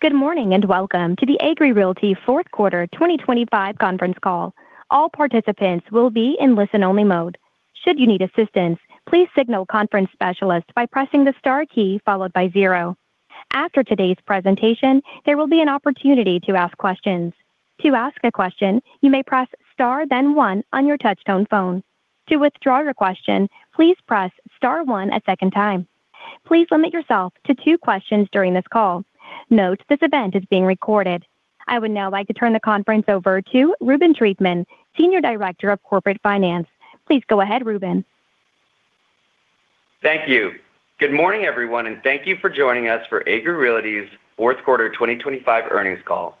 Good morning, and welcome to the Agree Realty Fourth Quarter 2025 conference call. All participants will be in listen-only mode. Should you need assistance, please signal a conference specialist by pressing the star key followed by zero. After today's presentation, there will be an opportunity to ask questions. To ask a question, you may press star, then one on your touchtone phone. To withdraw your question, please press star one a second time. Please limit yourself to two questions during this call. Note, this event is being recorded. I would now like to turn the conference over to Reuben Treatman, Senior Director of Corporate Finance. Please go ahead, Reuben. Thank you. Good morning, everyone, and thank you for joining us for Agree Realty's fourth quarter 2025 earnings call.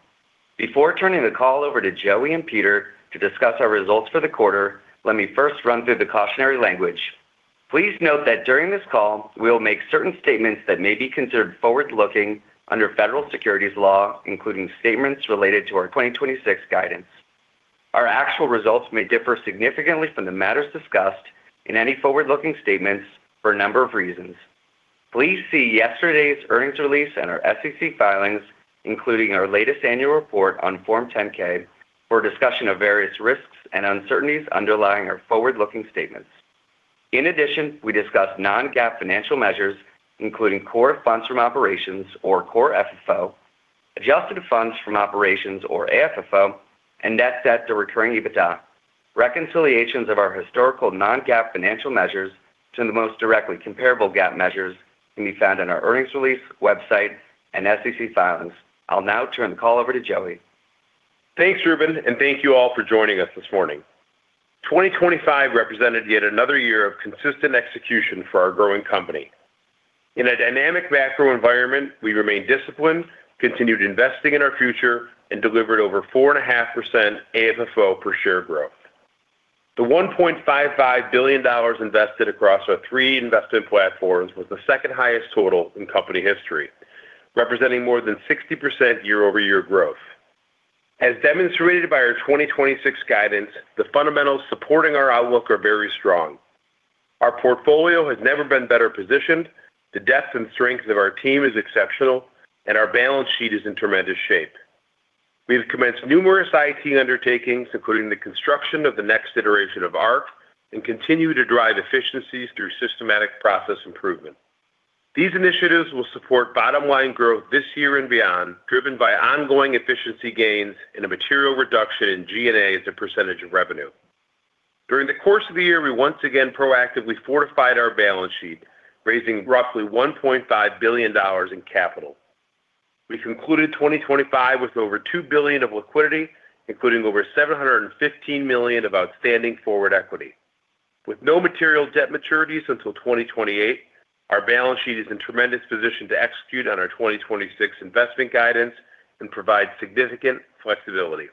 Before turning the call over to Joey and Peter to discuss our results for the quarter, let me first run through the cautionary language. Please note that during this call, we'll make certain statements that may be considered forward-looking under federal securities law, including statements related to our 2026 guidance. Our actual results may differ significantly from the matters discussed in any forward-looking statements for a number of reasons. Please see yesterday's earnings release and our SEC filings, including our latest annual report on Form 10-K, for a discussion of various risks and uncertainties underlying our forward-looking statements. In addition, we discuss non-GAAP financial measures, including core funds from operations or core FFO, adjusted funds from operations or AFFO, and net debt to recurring EBITDA. Reconciliations of our historical non-GAAP financial measures to the most directly comparable GAAP measures can be found in our earnings release, website, and SEC filings. I'll now turn the call over to Joey. Thanks, Reuben, and thank you all for joining us this morning. 2025 represented yet another year of consistent execution for our growing company. In a dynamic macro environment, we remained disciplined, continued investing in our future, and delivered over 4.5% AFFO per share growth. The $1.55 billion invested across our three investment platforms was the second highest total in company history, representing more than 60% year-over-year growth. As demonstrated by our 2026 guidance, the fundamentals supporting our outlook are very strong. Our portfolio has never been better positioned, the depth and strength of our team is exceptional, and our balance sheet is in tremendous shape. We have commenced numerous IT undertakings, including the construction of the next iteration of ARC, and continue to drive efficiencies through systematic process improvement. These initiatives will support bottom line growth this year and beyond, driven by ongoing efficiency gains and a material reduction in G&A as a percentage of revenue. During the course of the year, we once again proactively fortified our balance sheet, raising roughly $1.5 billion in capital. We concluded 2025 with over $2 billion of liquidity, including over $715 million of outstanding forward equity. With no material debt maturities until 2028, our balance sheet is in tremendous position to execute on our 2026 investment guidance and provide significant flexibility.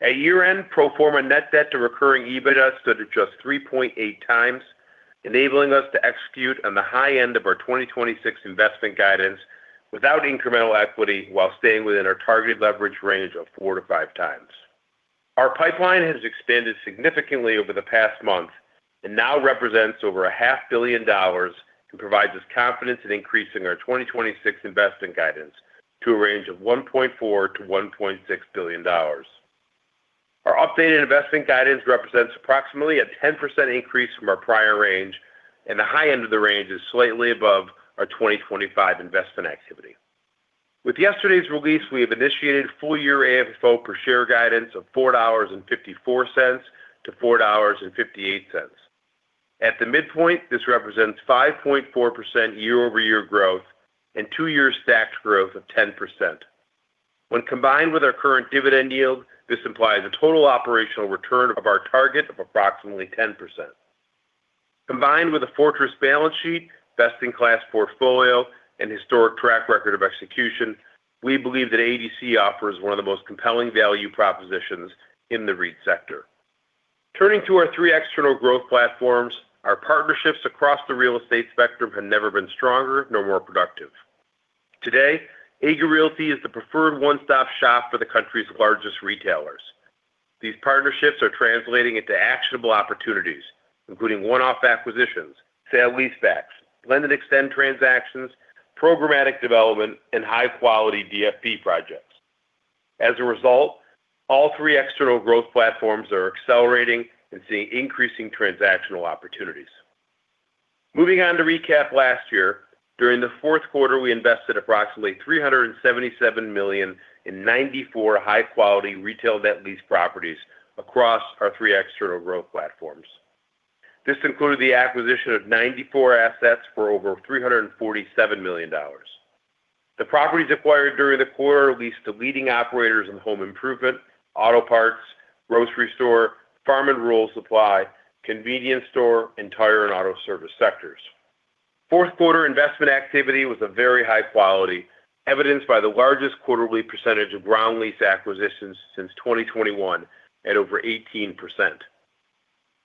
At year-end, pro forma net debt to recurring EBITDA stood at just 3.8x, enabling us to execute on the high end of our 2026 investment guidance without incremental equity, while staying within our targeted leverage range of 4x-5x. Our pipeline has expanded significantly over the past month and now represents over $0.5 billion and provides us confidence in increasing our 2026 investment guidance to a range of $1.4 billion-$1.6 billion. Our updated investment guidance represents approximately a 10% increase from our prior range, and the high end of the range is slightly above our 2025 investment activity. With yesterday's release, we have initiated full year AFFO per share guidance of $4.54-$4.58. At the midpoint, this represents 5.4% year-over-year growth and two-year stacked growth of 10%. When combined with our current dividend yield, this implies a total operational return of our target of approximately 10%. Combined with a fortress balance sheet, best-in-class portfolio, and historic track record of execution, we believe that ADC offers one of the most compelling value propositions in the REIT sector. Turning to our three external growth platforms, our partnerships across the real estate spectrum have never been stronger nor more productive. Today, Agree Realty is the preferred one-stop shop for the country's largest retailers. These partnerships are translating into actionable opportunities, including one-off acquisitions, sale-leasebacks, lend and extend transactions, programmatic development, and high-quality DFP projects. As a result, all three external growth platforms are accelerating and seeing increasing transactional opportunities. Moving on to recap last year, during the fourth quarter, we invested approximately $377 million in 94 high-quality retail net lease properties across our three external growth platforms. This included the acquisition of 94 assets for over $347 million. The properties acquired during the quarter leased to leading operators in home improvement, auto parts, grocery store, farm and rural supply, convenience store, and tire and auto service sectors. Fourth quarter investment activity was a very high quality, evidenced by the largest quarterly percentage of ground lease acquisitions since 2021 at over 18%.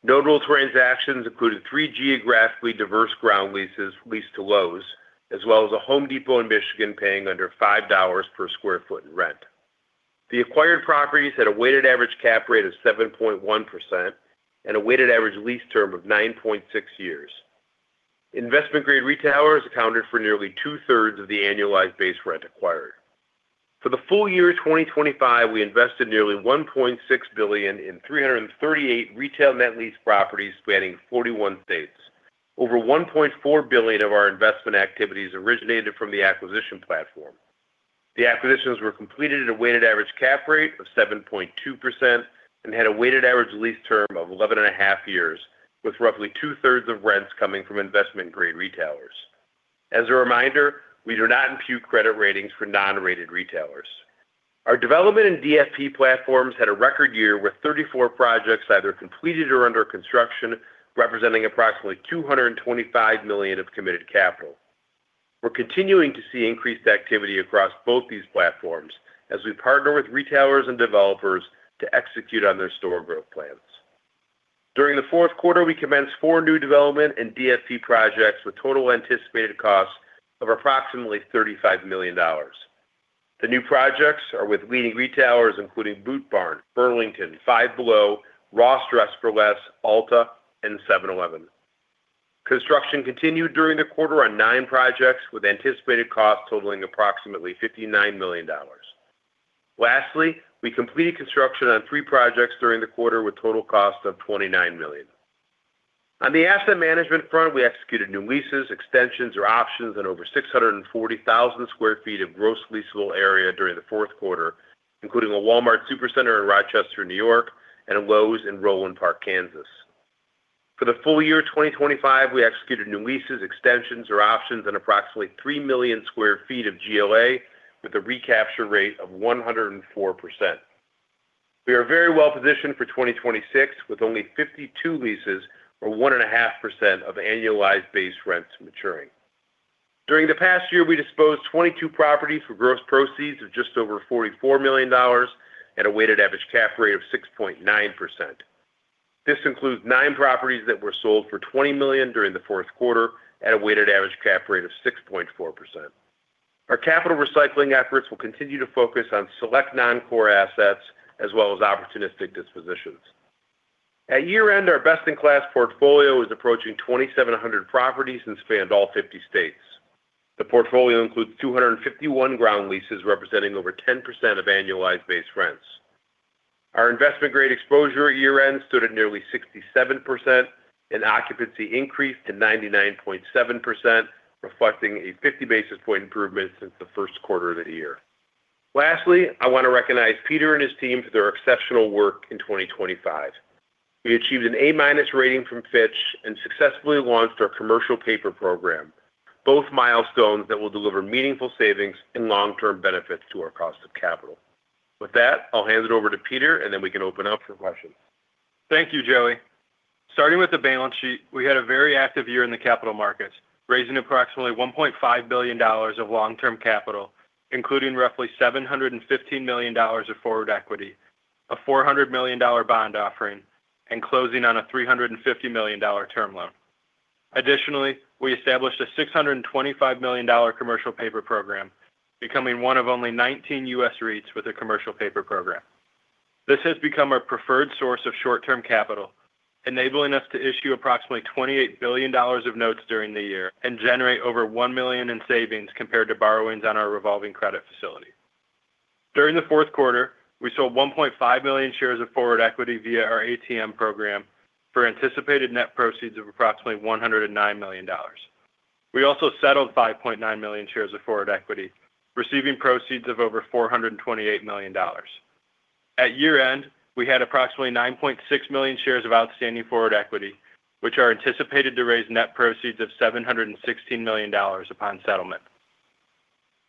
Notable transactions included three geographically diverse ground leases leased to Lowe's, as well as a Home Depot in Michigan, paying under $5 per sq ft in rent. The acquired properties had a weighted average cap rate of 7.1% and a weighted average lease term of 9.6 years. Investment-grade retailers accounted for nearly two-thirds of the annualized base rent acquired. For the full year 2025, we invested nearly $1.6 billion in 338 retail net lease properties spanning 41 states. Over $1.4 billion of our investment activities originated from the acquisition platform. The acquisitions were completed at a weighted average cap rate of 7.2% and had a weighted average lease term of 11.5 years, with roughly two-thirds of rents coming from investment-grade retailers. As a reminder, we do not impute credit ratings for non-rated retailers. Our development and DFP platforms had a record year, with 34 projects either completed or under construction, representing approximately $225 million of committed capital. We're continuing to see increased activity across both these platforms as we partner with retailers and developers to execute on their store growth plans. During the fourth quarter, we commenced 4 new development and DFP projects, with total anticipated costs of approximately $35 million. The new projects are with leading retailers, including Boot Barn, Burlington, Five Below, Ross Dress for Less, Ulta, and 7-Eleven. Construction continued during the quarter on 9 projects, with anticipated costs totaling approximately $59 million. Lastly, we completed construction on 3 projects during the quarter, with total costs of $29 million. On the asset management front, we executed new leases, extensions, or options on over 640,000 sq ft of gross leasable area during the fourth quarter, including a Walmart Supercenter in Rochester, New York, and a Lowe's in Roeland Park, Kansas. For the full year 2025, we executed new leases, extensions, or options on approximately 3 million sq ft of GLA, with a recapture rate of 104%. We are very well positioned for 2026, with only 52 leases or 1.5% of annualized base rents maturing. During the past year, we disposed 22 properties for gross proceeds of just over $44 million and a weighted average cap rate of 6.9%. This includes nine properties that were sold for $20 million during the fourth quarter at a weighted average cap rate of 6.4%. Our capital recycling efforts will continue to focus on select non-core assets as well as opportunistic dispositions. At year-end, our best-in-class portfolio is approaching 2,700 properties and spanned all 50 states. The portfolio includes 251 ground leases, representing over 10% of annualized base rents. Our investment-grade exposure at year-end stood at nearly 67%, and occupancy increased to 99.7%, reflecting a 50 basis point improvement since the first quarter of the year. Lastly, I want to recognize Peter and his team for their exceptional work in 2025. We achieved an A- rating from Fitch and successfully launched our commercial paper program, both milestones that will deliver meaningful savings and long-term benefits to our cost of capital. With that, I'll hand it over to Peter, and then we can open up for questions. Thank you, Joey. Starting with the balance sheet, we had a very active year in the capital markets, raising approximately $1.5 billion of long-term capital, including roughly $715 million of forward equity, a $400 million dollar bond offering, and closing on a $350 million dollar term loan. Additionally, we established a $625 million dollar commercial paper program, becoming one of only 19 U.S. REITs with a commercial paper program. This has become our preferred source of short-term capital, enabling us to issue approximately $28 billion of notes during the year and generate over $1 million in savings compared to borrowings on our revolving credit facility. During the fourth quarter, we sold 1.5 million shares of forward equity via our ATM program for anticipated net proceeds of approximately $109 million. We also settled 5.9 million shares of forward equity, receiving proceeds of over $428 million. At year-end, we had approximately 9.6 million shares of outstanding forward equity, which are anticipated to raise net proceeds of $716 million upon settlement.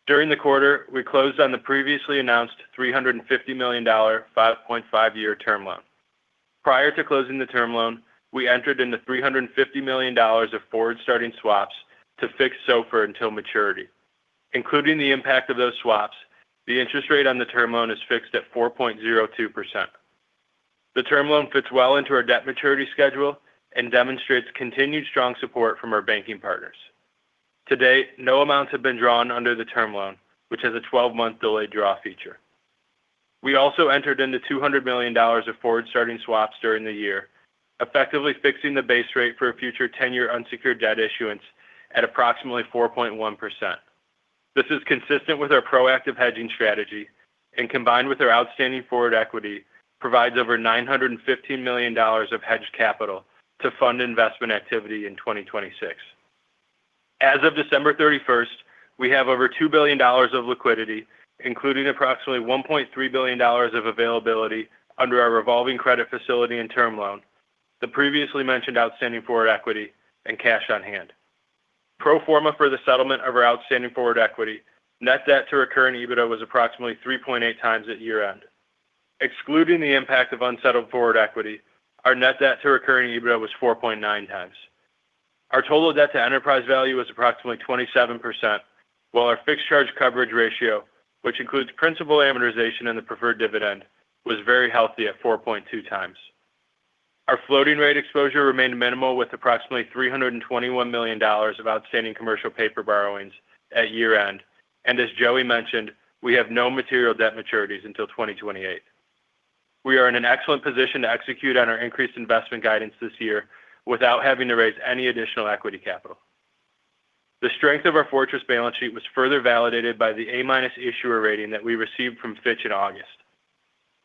During the quarter, we closed on the previously announced $350 million, 5.5-year term loan. Prior to closing the term loan, we entered into $350 million of forward-starting swaps to fix SOFR until maturity. Including the impact of those swaps, the interest rate on the term loan is fixed at 4.02%. The term loan fits well into our debt maturity schedule and demonstrates continued strong support from our banking partners. To date, no amounts have been drawn under the term loan, which has a 12-month delayed draw feature. We also entered into $200 million of forward-starting swaps during the year, effectively fixing the base rate for a future 10-year unsecured debt issuance at approximately 4.1%. This is consistent with our proactive hedging strategy and, combined with our outstanding forward equity, provides over $915 million of hedged capital to fund investment activity in 2026. As of December 31, we have over $2 billion of liquidity, including approximately $1.3 billion of availability under our revolving credit facility and term loan, the previously mentioned outstanding forward equity, and cash on hand. Pro forma for the settlement of our outstanding forward equity, net debt to recurring EBITDA was approximately 3.8 times at year-end. Excluding the impact of unsettled forward equity, our net debt to recurring EBITDA was 4.9 times. Our total debt to enterprise value was approximately 27%, while our fixed charge coverage ratio, which includes principal amortization and the preferred dividend, was very healthy at 4.2 times. Our floating rate exposure remained minimal, with approximately $321 million of outstanding commercial paper borrowings at year-end. As Joey mentioned, we have no material debt maturities until 2028. We are in an excellent position to execute on our increased investment guidance this year without having to raise any additional equity capital. The strength of our fortress balance sheet was further validated by the A- issuer rating that we received from Fitch in August.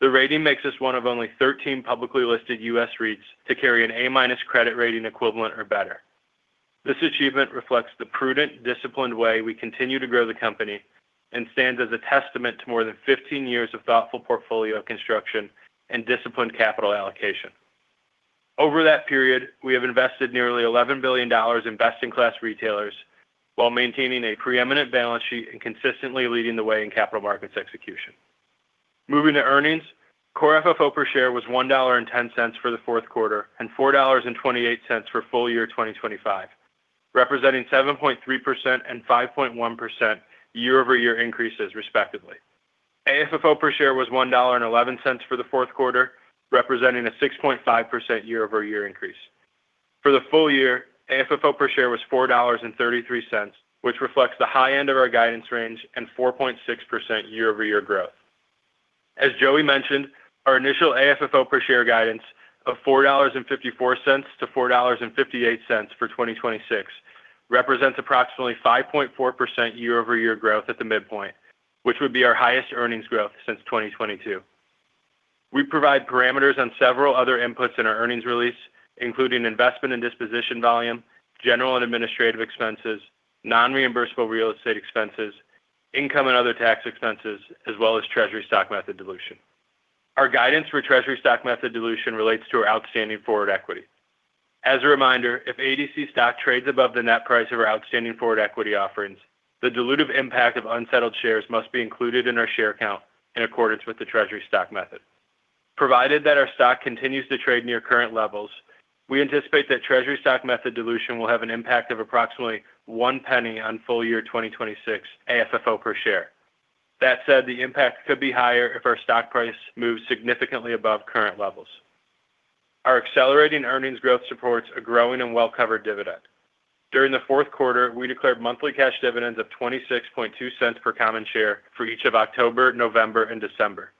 The rating makes us one of only 13 publicly listed U.S. REITs to carry an A- credit rating equivalent or better. This achievement reflects the prudent, disciplined way we continue to grow the company and stands as a testament to more than 15 years of thoughtful portfolio construction and disciplined capital allocation. Over that period, we have invested nearly $11 billion in best-in-class retailers while maintaining a preeminent balance sheet and consistently leading the way in capital markets execution. Moving to earnings, Core FFO per share was $1.10 for the fourth quarter and $4.28 for full year 2025, representing 7.3% and 5.1% year-over-year increases, respectively. AFFO per share was $1.11 for the fourth quarter, representing a 6.5% year-over-year increase. For the full year, AFFO per share was $4.33, which reflects the high end of our guidance range and 4.6% year-over-year growth. As Joey mentioned, our initial AFFO per share guidance of $4.54-$4.58 for 2026 represents approximately 5.4% year-over-year growth at the midpoint, which would be our highest earnings growth since 2022. We provide parameters on several other inputs in our earnings release, including investment and disposition volume, general and administrative expenses, non-reimbursable real estate expenses, income and other tax expenses, as well as treasury stock method dilution. Our guidance for treasury stock method dilution relates to our outstanding forward equity. As a reminder, if ADC stock trades above the net price of our outstanding forward equity offerings, the dilutive impact of unsettled shares must be included in our share count in accordance with the treasury stock method. Provided that our stock continues to trade near current levels, we anticipate that treasury stock method dilution will have an impact of approximately $0.01 on full year 2026 AFFO per share. That said, the impact could be higher if our stock price moves significantly above current levels. Our accelerating earnings growth supports a growing and well-covered dividend. During the fourth quarter, we declared monthly cash dividends of $0.262 per common share for each of October, November, and December.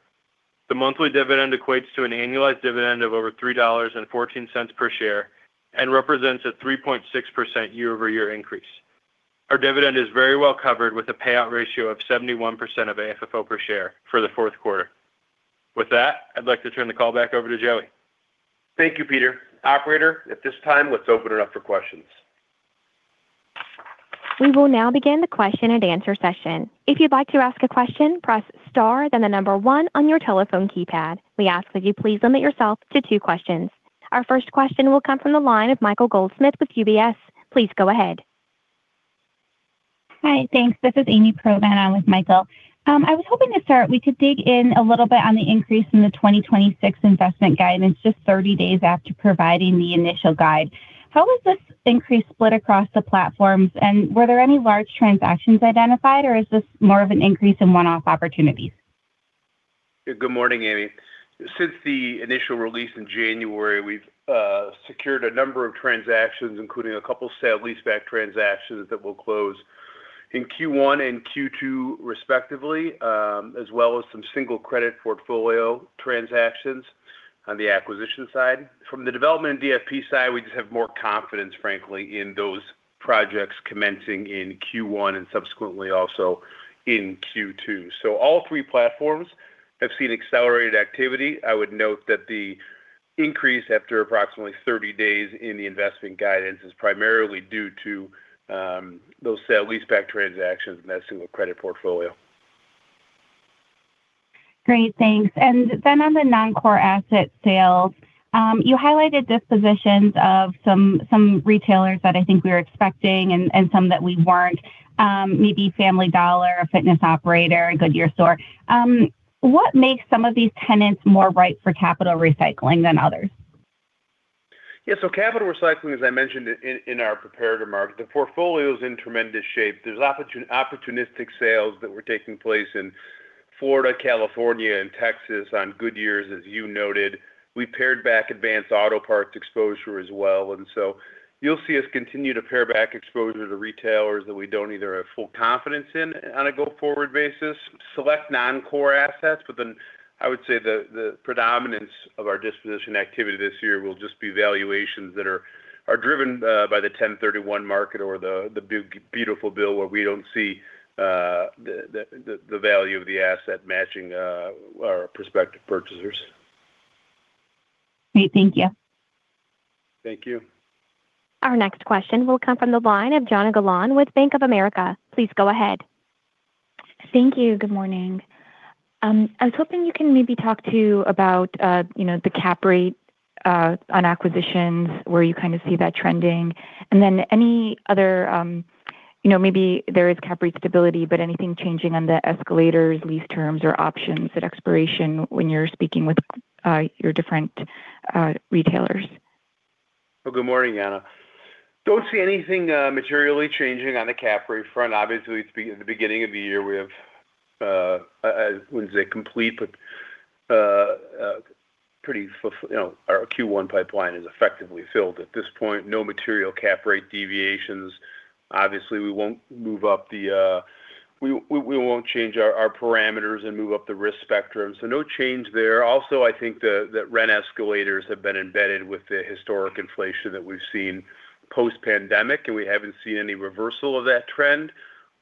The monthly dividend equates to an annualized dividend of over $3.14 per share and represents a 3.6% year-over-year increase. Our dividend is very well covered, with a payout ratio of 71% of AFFO per share for the fourth quarter. With that, I'd like to turn the call back over to Joey. Thank you, Peter. Operator, at this time, let's open it up for questions. We will now begin the question and answer session. If you'd like to ask a question, press star, then the number one on your telephone keypad. We ask that you please limit yourself to two questions. Our first question will come from the line of Michael Goldsmith with UBS. Please go ahead. Hi, thanks. This is Ami Probandt in with Michael Goldsmith. I was hoping to start, we could dig in a little bit on the increase in the 2026 investment guidance, just 30 days after providing the initial guide. How was this increase split across the platforms, and were there any large transactions identified, or is this more of an increase in one-off opportunities? Good morning, Amy. Since the initial release in January, we've secured a number of transactions, including a couple sale-leaseback transactions that will close in Q1 and Q2, respectively, as well as some single credit portfolio transactions on the acquisition side. From the development and DFP side, we just have more confidence, frankly, in those projects commencing in Q1 and subsequently also in Q2. So all three platforms have seen accelerated activity. I would note that the increase after approximately 30 days in the investment guidance is primarily due to those sale-leaseback transactions and that single credit portfolio. Great, thanks. And then on the non-core asset sales, you highlighted dispositions of some retailers that I think we were expecting and some that we weren't, maybe Family Dollar, a fitness operator, a Goodyear store. What makes some of these tenants more ripe for capital recycling than others? Yeah, so capital recycling, as I mentioned in our prepared remarks, the portfolio is in tremendous shape. There's opportunistic sales that were taking place in Florida, California, and Texas on Goodyear, as you noted. We paired back Advance Auto Parts exposure as well, and so you'll see us continue to pare back exposure to retailers that we don't either have full confidence in on a go-forward basis. Select non-core assets, but then I would say the predominance of our disposition activity this year will just be valuations that are driven by the 1031 market or the big, beautiful bill, where we don't see the value of the asset matching our prospective purchasers. Great. Thank you. Thank you. Our next question will come from the line of Joanna Gajuk with Bank of America. Please go ahead. Thank you. Good morning. I was hoping you can maybe talk to about, you know, the cap rate on acquisitions, where you kind of see that trending, and then any other, you know, maybe there is cap rate stability, but anything changing on the escalators, lease terms, or options at expiration when you're speaking with your different retailers?... Well, good morning, Anna. Don't see anything materially changing on the cap rate front. Obviously, it's the beginning of the year. We have, I wouldn't say complete, but pretty full, you know, our Q1 pipeline is effectively filled at this point. No material cap rate deviations. Obviously, we won't move up the, we won't change our parameters and move up the risk spectrum, so no change there. Also, I think that rent escalators have been embedded with the historic inflation that we've seen post-pandemic, and we haven't seen any reversal of that trend,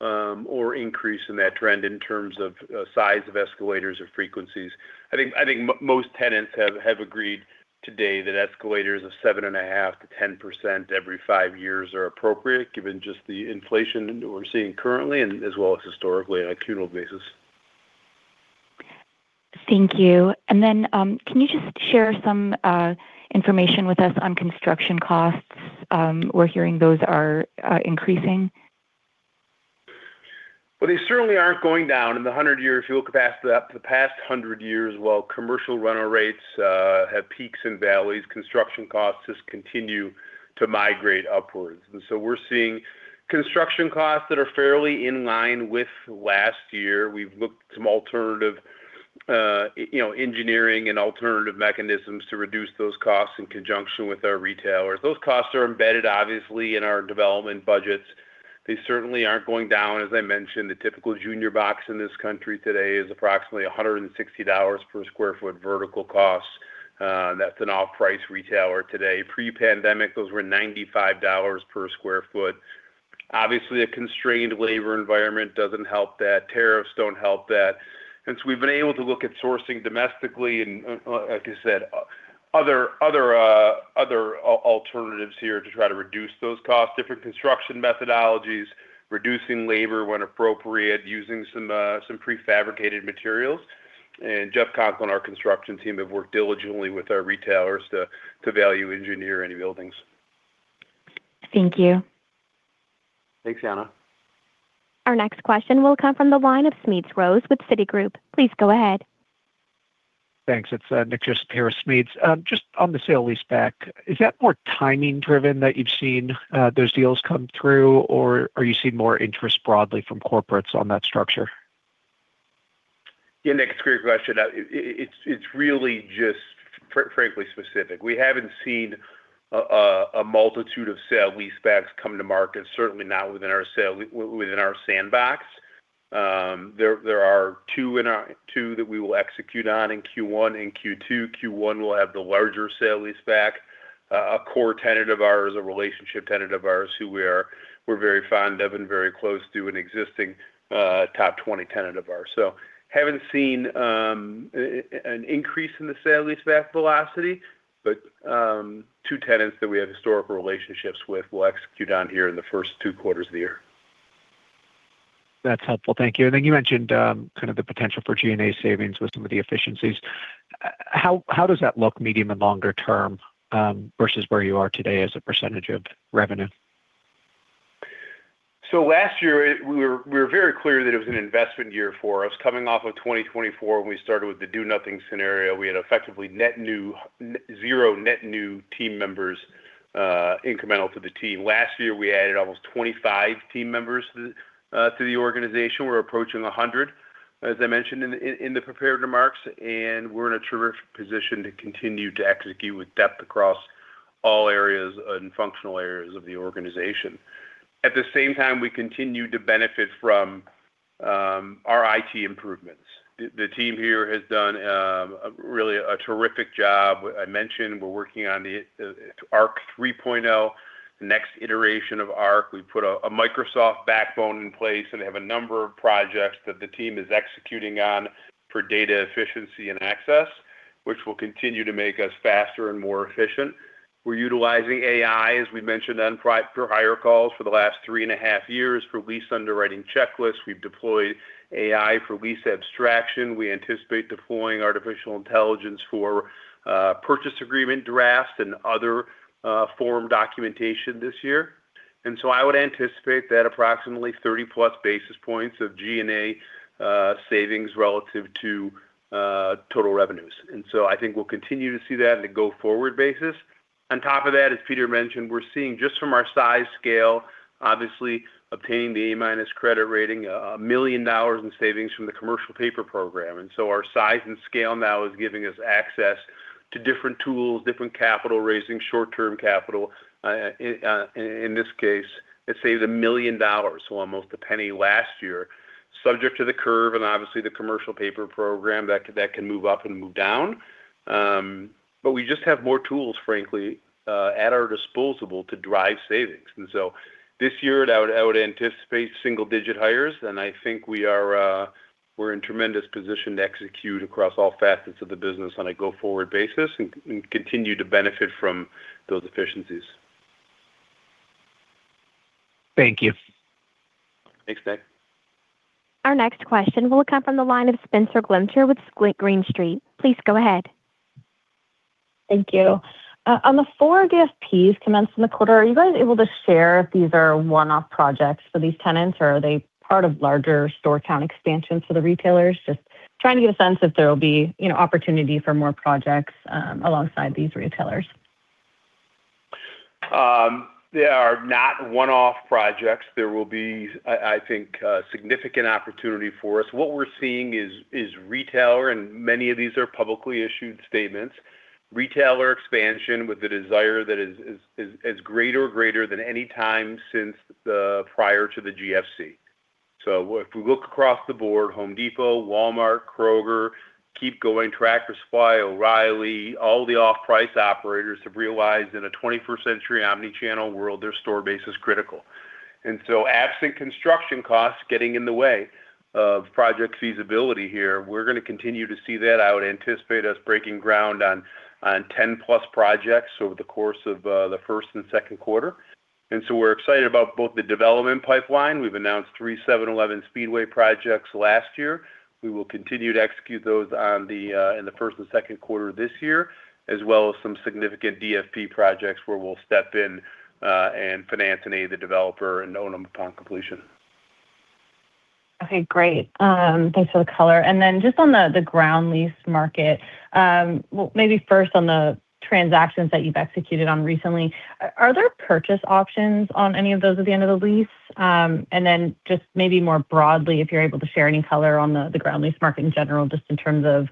or increase in that trend in terms of size of escalators or frequencies. I think most tenants have agreed today that escalators of 7.5%-10% every five years are appropriate, given just the inflation that we're seeing currently and as well as historically on an accrual basis. Thank you. And then, can you just share some information with us on construction costs? We're hearing those are increasing. Well, they certainly aren't going down. In the 100 years... if you look at capacity, the past 100 years, while commercial rental rates have peaks and valleys, construction costs just continue to migrate upwards. And so we're seeing construction costs that are fairly in line with last year. We've looked at some alternative, you know, engineering and alternative mechanisms to reduce those costs in conjunction with our retailers. Those costs are embedded, obviously, in our development budgets. They certainly aren't going down. As I mentioned, the typical junior box in this country today is approximately $160 per sq ft, vertical costs, that's an off-price retailer today. Pre-pandemic, those were $95 per sq ft. Obviously, a constrained labor environment doesn't help that. Tariffs don't help that. Since we've been able to look at sourcing domestically, and, like I said, other alternatives here to try to reduce those costs, different construction methodologies, reducing labor when appropriate, using some prefabricated materials. And Jeff Conklin, our construction team, have worked diligently with our retailers to value engineer any buildings. Thank you. Thanks, Anna. Our next question will come from the line of Smedes Rose with Citigroup. Please go ahead. Thanks. It's Smedes Rose. Just on the sale leaseback, is that more timing driven that you've seen those deals come through, or are you seeing more interest broadly from corporates on that structure? Yeah, Nick, it's a great question. It, it's really just frankly specific. We haven't seen a multitude of sale leasebacks come to market, certainly not within our sandbox. There are two that we will execute on in Q1 and Q2. Q1 will have the larger sale leaseback. A core tenant of ours, a relationship tenant of ours, who we are, we're very fond of and very close to, an existing top 20 tenant of ours. So haven't seen an increase in the sale leaseback velocity, but two tenants that we have historical relationships with will execute on here in the first two quarters of the year. That's helpful. Thank you. And then you mentioned kind of the potential for G&A savings with some of the efficiencies. How does that look medium and longer term versus where you are today as a percentage of revenue? So last year, we were very clear that it was an investment year for us. Coming off of 2024, when we started with the do-nothing scenario, we had effectively net new zero net new team members, incremental to the team. Last year, we added almost 25 team members to the organization. We're approaching 100, as I mentioned in the prepared remarks, and we're in a terrific position to continue to execute with depth across all areas and functional areas of the organization. At the same time, we continue to benefit from our IT improvements. The team here has done really a terrific job. I mentioned we're working on the ARC 3.0, the next iteration of ARC. We put a Microsoft backbone in place and have a number of projects that the team is executing on for data efficiency and access, which will continue to make us faster and more efficient. We're utilizing AI, as we mentioned, on prior calls for the last 3.5 years for lease underwriting checklists. We've deployed AI for lease abstraction. We anticipate deploying artificial intelligence for purchase agreement drafts and other form documentation this year. And so I would anticipate that approximately 30+ basis points of G&A savings relative to total revenues. And so I think we'll continue to see that in a go-forward basis. On top of that, as Peter mentioned, we're seeing just from our size scale, obviously obtaining the A- credit rating, $1 million in savings from the commercial paper program. Our size and scale now is giving us access to different tools, different capital raising, short-term capital. In this case, it saved $1 million, so almost a penny last year, subject to the curve and obviously the commercial paper program that can move up and move down. But we just have more tools, frankly, at our disposal to drive savings. So this year, I would anticipate single-digit hires, and I think we are, we're in tremendous position to execute across all facets of the business on a go-forward basis and continue to benefit from those efficiencies. Thank you. Thanks, Nick. Our next question will come from the line of Spenser Allaway with Green Street. Please go ahead. Thank you. On the 4 DSPs commenced in the quarter, are you guys able to share if these are one-off projects for these tenants, or are they part of larger store count expansions for the retailers? Just… Trying to get a sense if there will be, you know, opportunity for more projects, alongside these retailers. They are not one-off projects. There will be, I think, a significant opportunity for us. What we're seeing is retailer, and many of these are publicly issued statements, retailer expansion with the desire that is greater or greater than any time since prior to the GFC. So if we look across the board, Home Depot, Walmart, Kroger, keep going, Tractor Supply, O'Reilly, all the off-price operators have realized in a twenty-first-century omni-channel world, their store base is critical. And so absent construction costs getting in the way of project feasibility here, we're going to continue to see that. I would anticipate us breaking ground on 10+ projects over the course of the first and second quarter. And so we're excited about both the development pipeline. We've announced 3 7-Eleven Speedway projects last year. We will continue to execute those in the first and second quarter of this year, as well as some significant DFP projects, where we'll step in and finance any of the developer and own them upon completion. Okay, great. Thanks for the color. And then just on the ground lease market, well, maybe first on the transactions that you've executed on recently, are there purchase options on any of those at the end of the lease? And then just maybe more broadly, if you're able to share any color on the ground lease market in general, just in terms of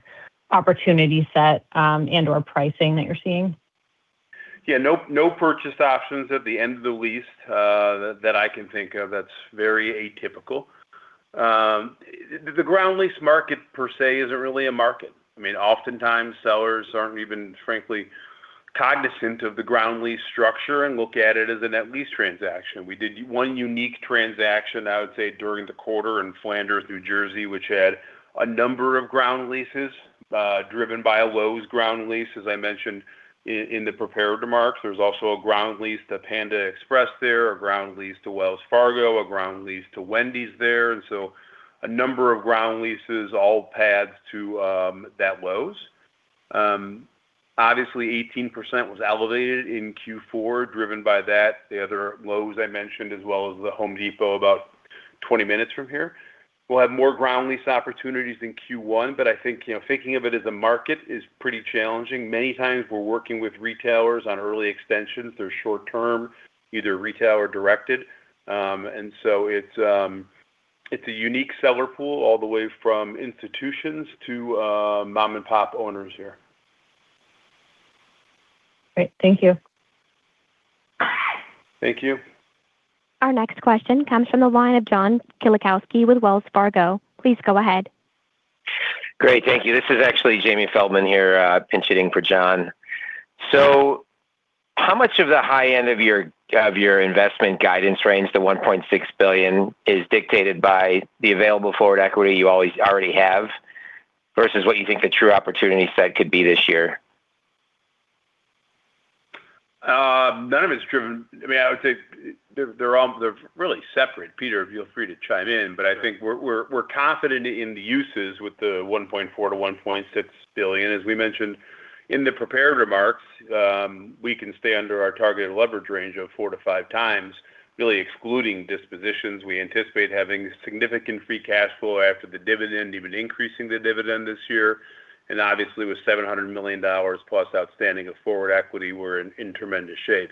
opportunity set, and/or pricing that you're seeing. Yeah, no, no purchase options at the end of the lease, that I can think of. That's very atypical. The ground lease market per se isn't really a market. I mean, oftentimes, sellers aren't even frankly cognizant of the ground lease structure and look at it as a net lease transaction. We did one unique transaction, I would say, during the quarter in Flanders, New Jersey, which had a number of ground leases, driven by a Lowe's ground lease, as I mentioned in the prepared remarks. There's also a ground lease to Panda Express there, a ground lease to Wells Fargo, a ground lease to Wendy's there, and so a number of ground leases, all pads to that Lowe's. Obviously, 18% was elevated in Q4, driven by that. The other Lowe's I mentioned, as well as the Home Depot, about 20 minutes from here. We'll have more ground lease opportunities in Q1, but I think, you know, thinking of it as a market is pretty challenging. Many times we're working with retailers on early extensions. They're short term, either retail or directed. And so it's, it's a unique seller pool, all the way from institutions to, mom-and-pop owners here. Great. Thank you. Thank you. Our next question comes from the line of John Kilichowski with Wells Fargo. Please go ahead. Great. Thank you. This is actually Jamie Feldman here, pinch-hitting for John. So how much of the high end of your, of your investment guidance range, the $1.6 billion, is dictated by the available forward equity you already have, versus what you think the true opportunity set could be this year? None of it's driven... I mean, I would say they're all really separate. Peter, feel free to chime in, but I think we're confident in the uses with the $1.4 billion-$1.6 billion. As we mentioned in the prepared remarks, we can stay under our targeted leverage range of 4-5 times, really excluding dispositions. We anticipate having significant free cash flow after the dividend, even increasing the dividend this year. And obviously, with $700 million plus outstanding of forward equity, we're in tremendous shape.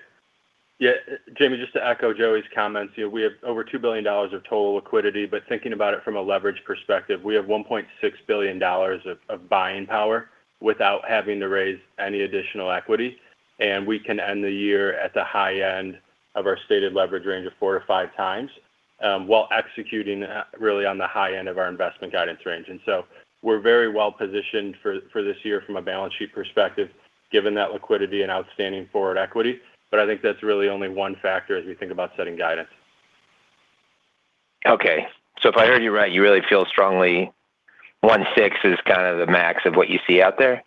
Yeah, Jamie, just to echo Joey's comments, you know, we have over $2 billion of total liquidity, but thinking about it from a leverage perspective, we have $1.6 billion of buying power without having to raise any additional equity, and we can end the year at the high end of our stated leverage range of 4-5 times while executing really on the high end of our investment guidance range. So we're very well positioned for this year from a balance sheet perspective, given that liquidity and outstanding forward equity. But I think that's really only one factor as we think about setting guidance. Okay. So if I heard you right, you really feel strongly 1.6 is kind of the max of what you see out there?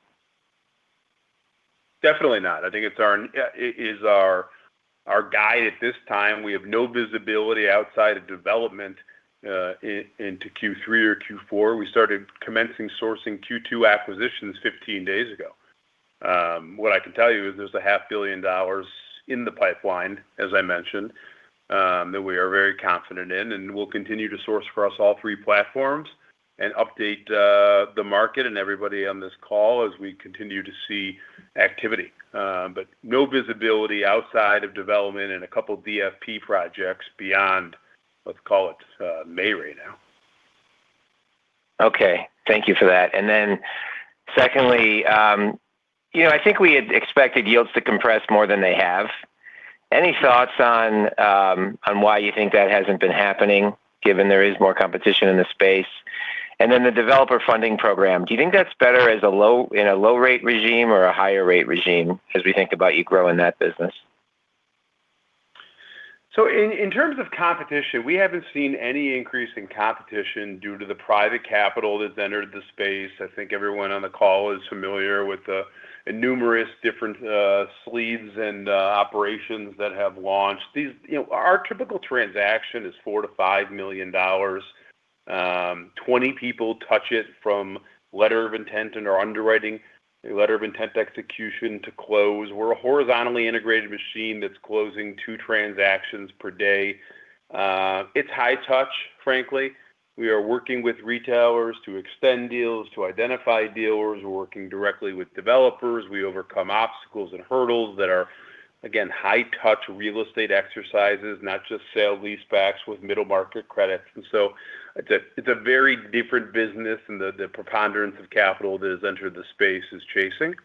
Definitely not. I think it's our, it is our guide at this time. We have no visibility outside of development into Q3 or Q4. We started commencing sourcing Q2 acquisitions 15 days ago. What I can tell you is there's $500 million in the pipeline, as I mentioned, that we are very confident in, and we'll continue to source across all three platforms and update the market and everybody on this call as we continue to see activity. But no visibility outside of development and a couple DFP projects beyond, let's call it, May right now. Okay. Thank you for that. And then secondly, you know, I think we had expected yields to compress more than they have. Any thoughts on why you think that hasn't been happening, given there is more competition in the space? And then the developer funding program, do you think that's better as a low-rate regime or a higher rate regime, as we think about you growing that business? So in terms of competition, we haven't seen any increase in competition due to the private capital that's entered the space. I think everyone on the call is familiar with the numerous different sleeves and operations that have launched. You know, our typical transaction is $4 million-$5 million. 20 people touch it from letter of intent and/or underwriting, a letter of intent execution to close. We're a horizontally integrated machine that's closing 2 transactions per day. It's high touch, frankly. We are working with retailers to extend deals, to identify dealers. We're working directly with developers. We overcome obstacles and hurdles that are, again, high touch real estate exercises, not just sale-leasebacks with middle market credits. And so it's a very different business than the preponderance of capital that has entered the space is chasing.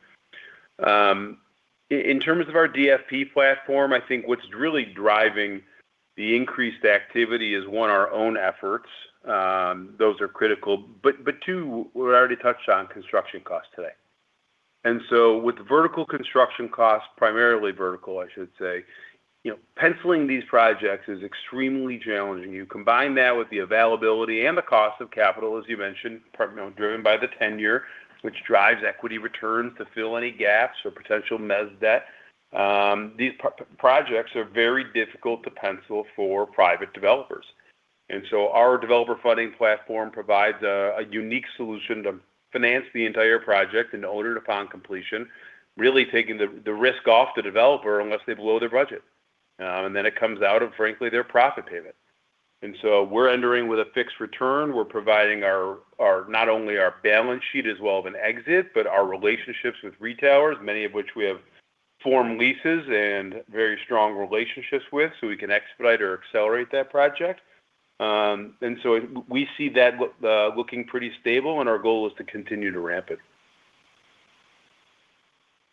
In terms of our DFP platform, I think what's really driving the increased activity is, one, our own efforts. Those are critical. But two, we already touched on construction costs today. And so with vertical construction costs, primarily vertical, I should say, you know, penciling these projects is extremely challenging. You combine that with the availability and the cost of capital, as you mentioned, partly driven by the 10-year, which drives equity returns to fill any gaps or potential mezz debt. These projects are very difficult to pencil for private developers. And so our Developer Funding Platform provides a unique solution to finance the entire project and own it upon completion, really taking the risk off the developer unless they blow their budget. And then it comes out of, frankly, their profit payment. And so we're entering with a fixed return. We're providing not only our balance sheet as well as an exit, but our relationships with retailers, many of which we have formed leases and very strong relationships with, so we can expedite or accelerate that project. And so we see that looking pretty stable, and our goal is to continue to ramp it.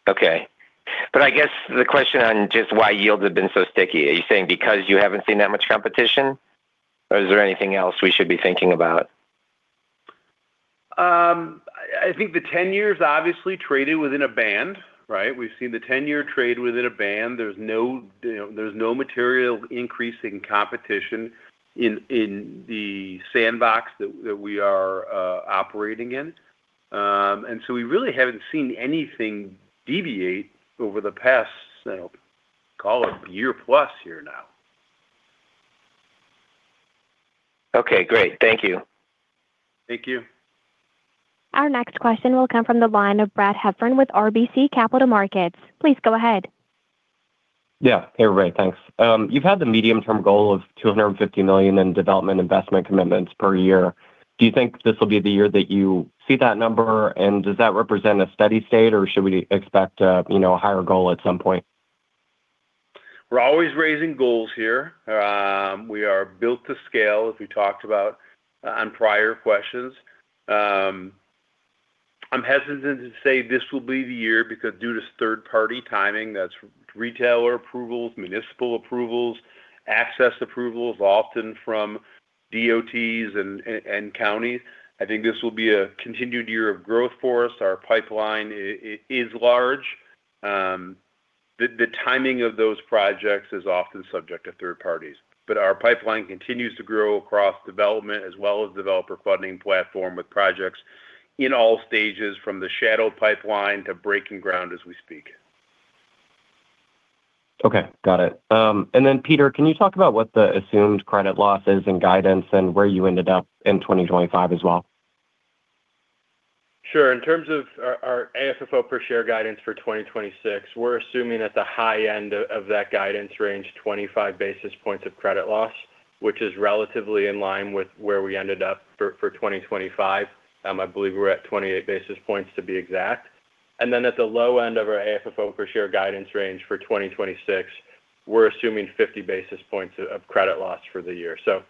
Okay. But I guess the question on just why yields have been so sticky, are you saying because you haven't seen that much competition, or is there anything else we should be thinking about? I think the 10-year obviously traded within a band, right? We've seen the 10-year trade within a band. There's no, you know, there's no material increase in competition in the sandbox that we are operating in. And so we really haven't seen anything deviate over the past, call it year plus here now. Okay, great. Thank you. Thank you. Our next question will come from the line of Brad Heffern with RBC Capital Markets. Please go ahead. Yeah. Hey, Ray. Thanks. You've had the medium-term goal of $250 million in development investment commitments per year. Do you think this will be the year that you see that number? And does that represent a steady state, or should we expect a, you know, a higher goal at some point? We're always raising goals here. We are built to scale, as we talked about on prior questions. I'm hesitant to say this will be the year because due to third-party timing, that's retailer approvals, municipal approvals, access approvals, often from DOTs and counties. I think this will be a continued year of growth for us. Our pipeline is large. The timing of those projects is often subject to third parties. But our pipeline continues to grow across development as well as Developer Funding Platform with projects in all stages, from the shadow pipeline to breaking ground as we speak. Okay, got it. And then, Peter, can you talk about what the assumed credit loss is in guidance and where you ended up in 2025 as well? Sure. In terms of our AFFO per share guidance for 2026, we're assuming at the high end of that guidance range, 25 basis points of credit loss, which is relatively in line with where we ended up for 2025. I believe we're at 28 basis points to be exact. And then at the low end of our AFFO per share guidance range for 2026, we're assuming 50 basis points of credit loss for the year. So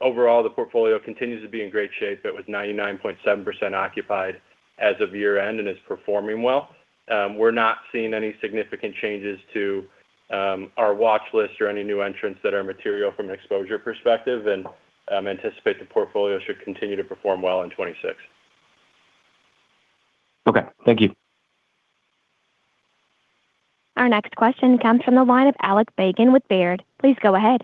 overall, the portfolio continues to be in great shape. It was 99.7% occupied as of year-end and is performing well. We're not seeing any significant changes to our watch list or any new entrants that are material from an exposure perspective, and anticipate the portfolio should continue to perform well in 2026. Okay, thank you. Our next question comes from the line of Alex Bacon with Baird. Please go ahead.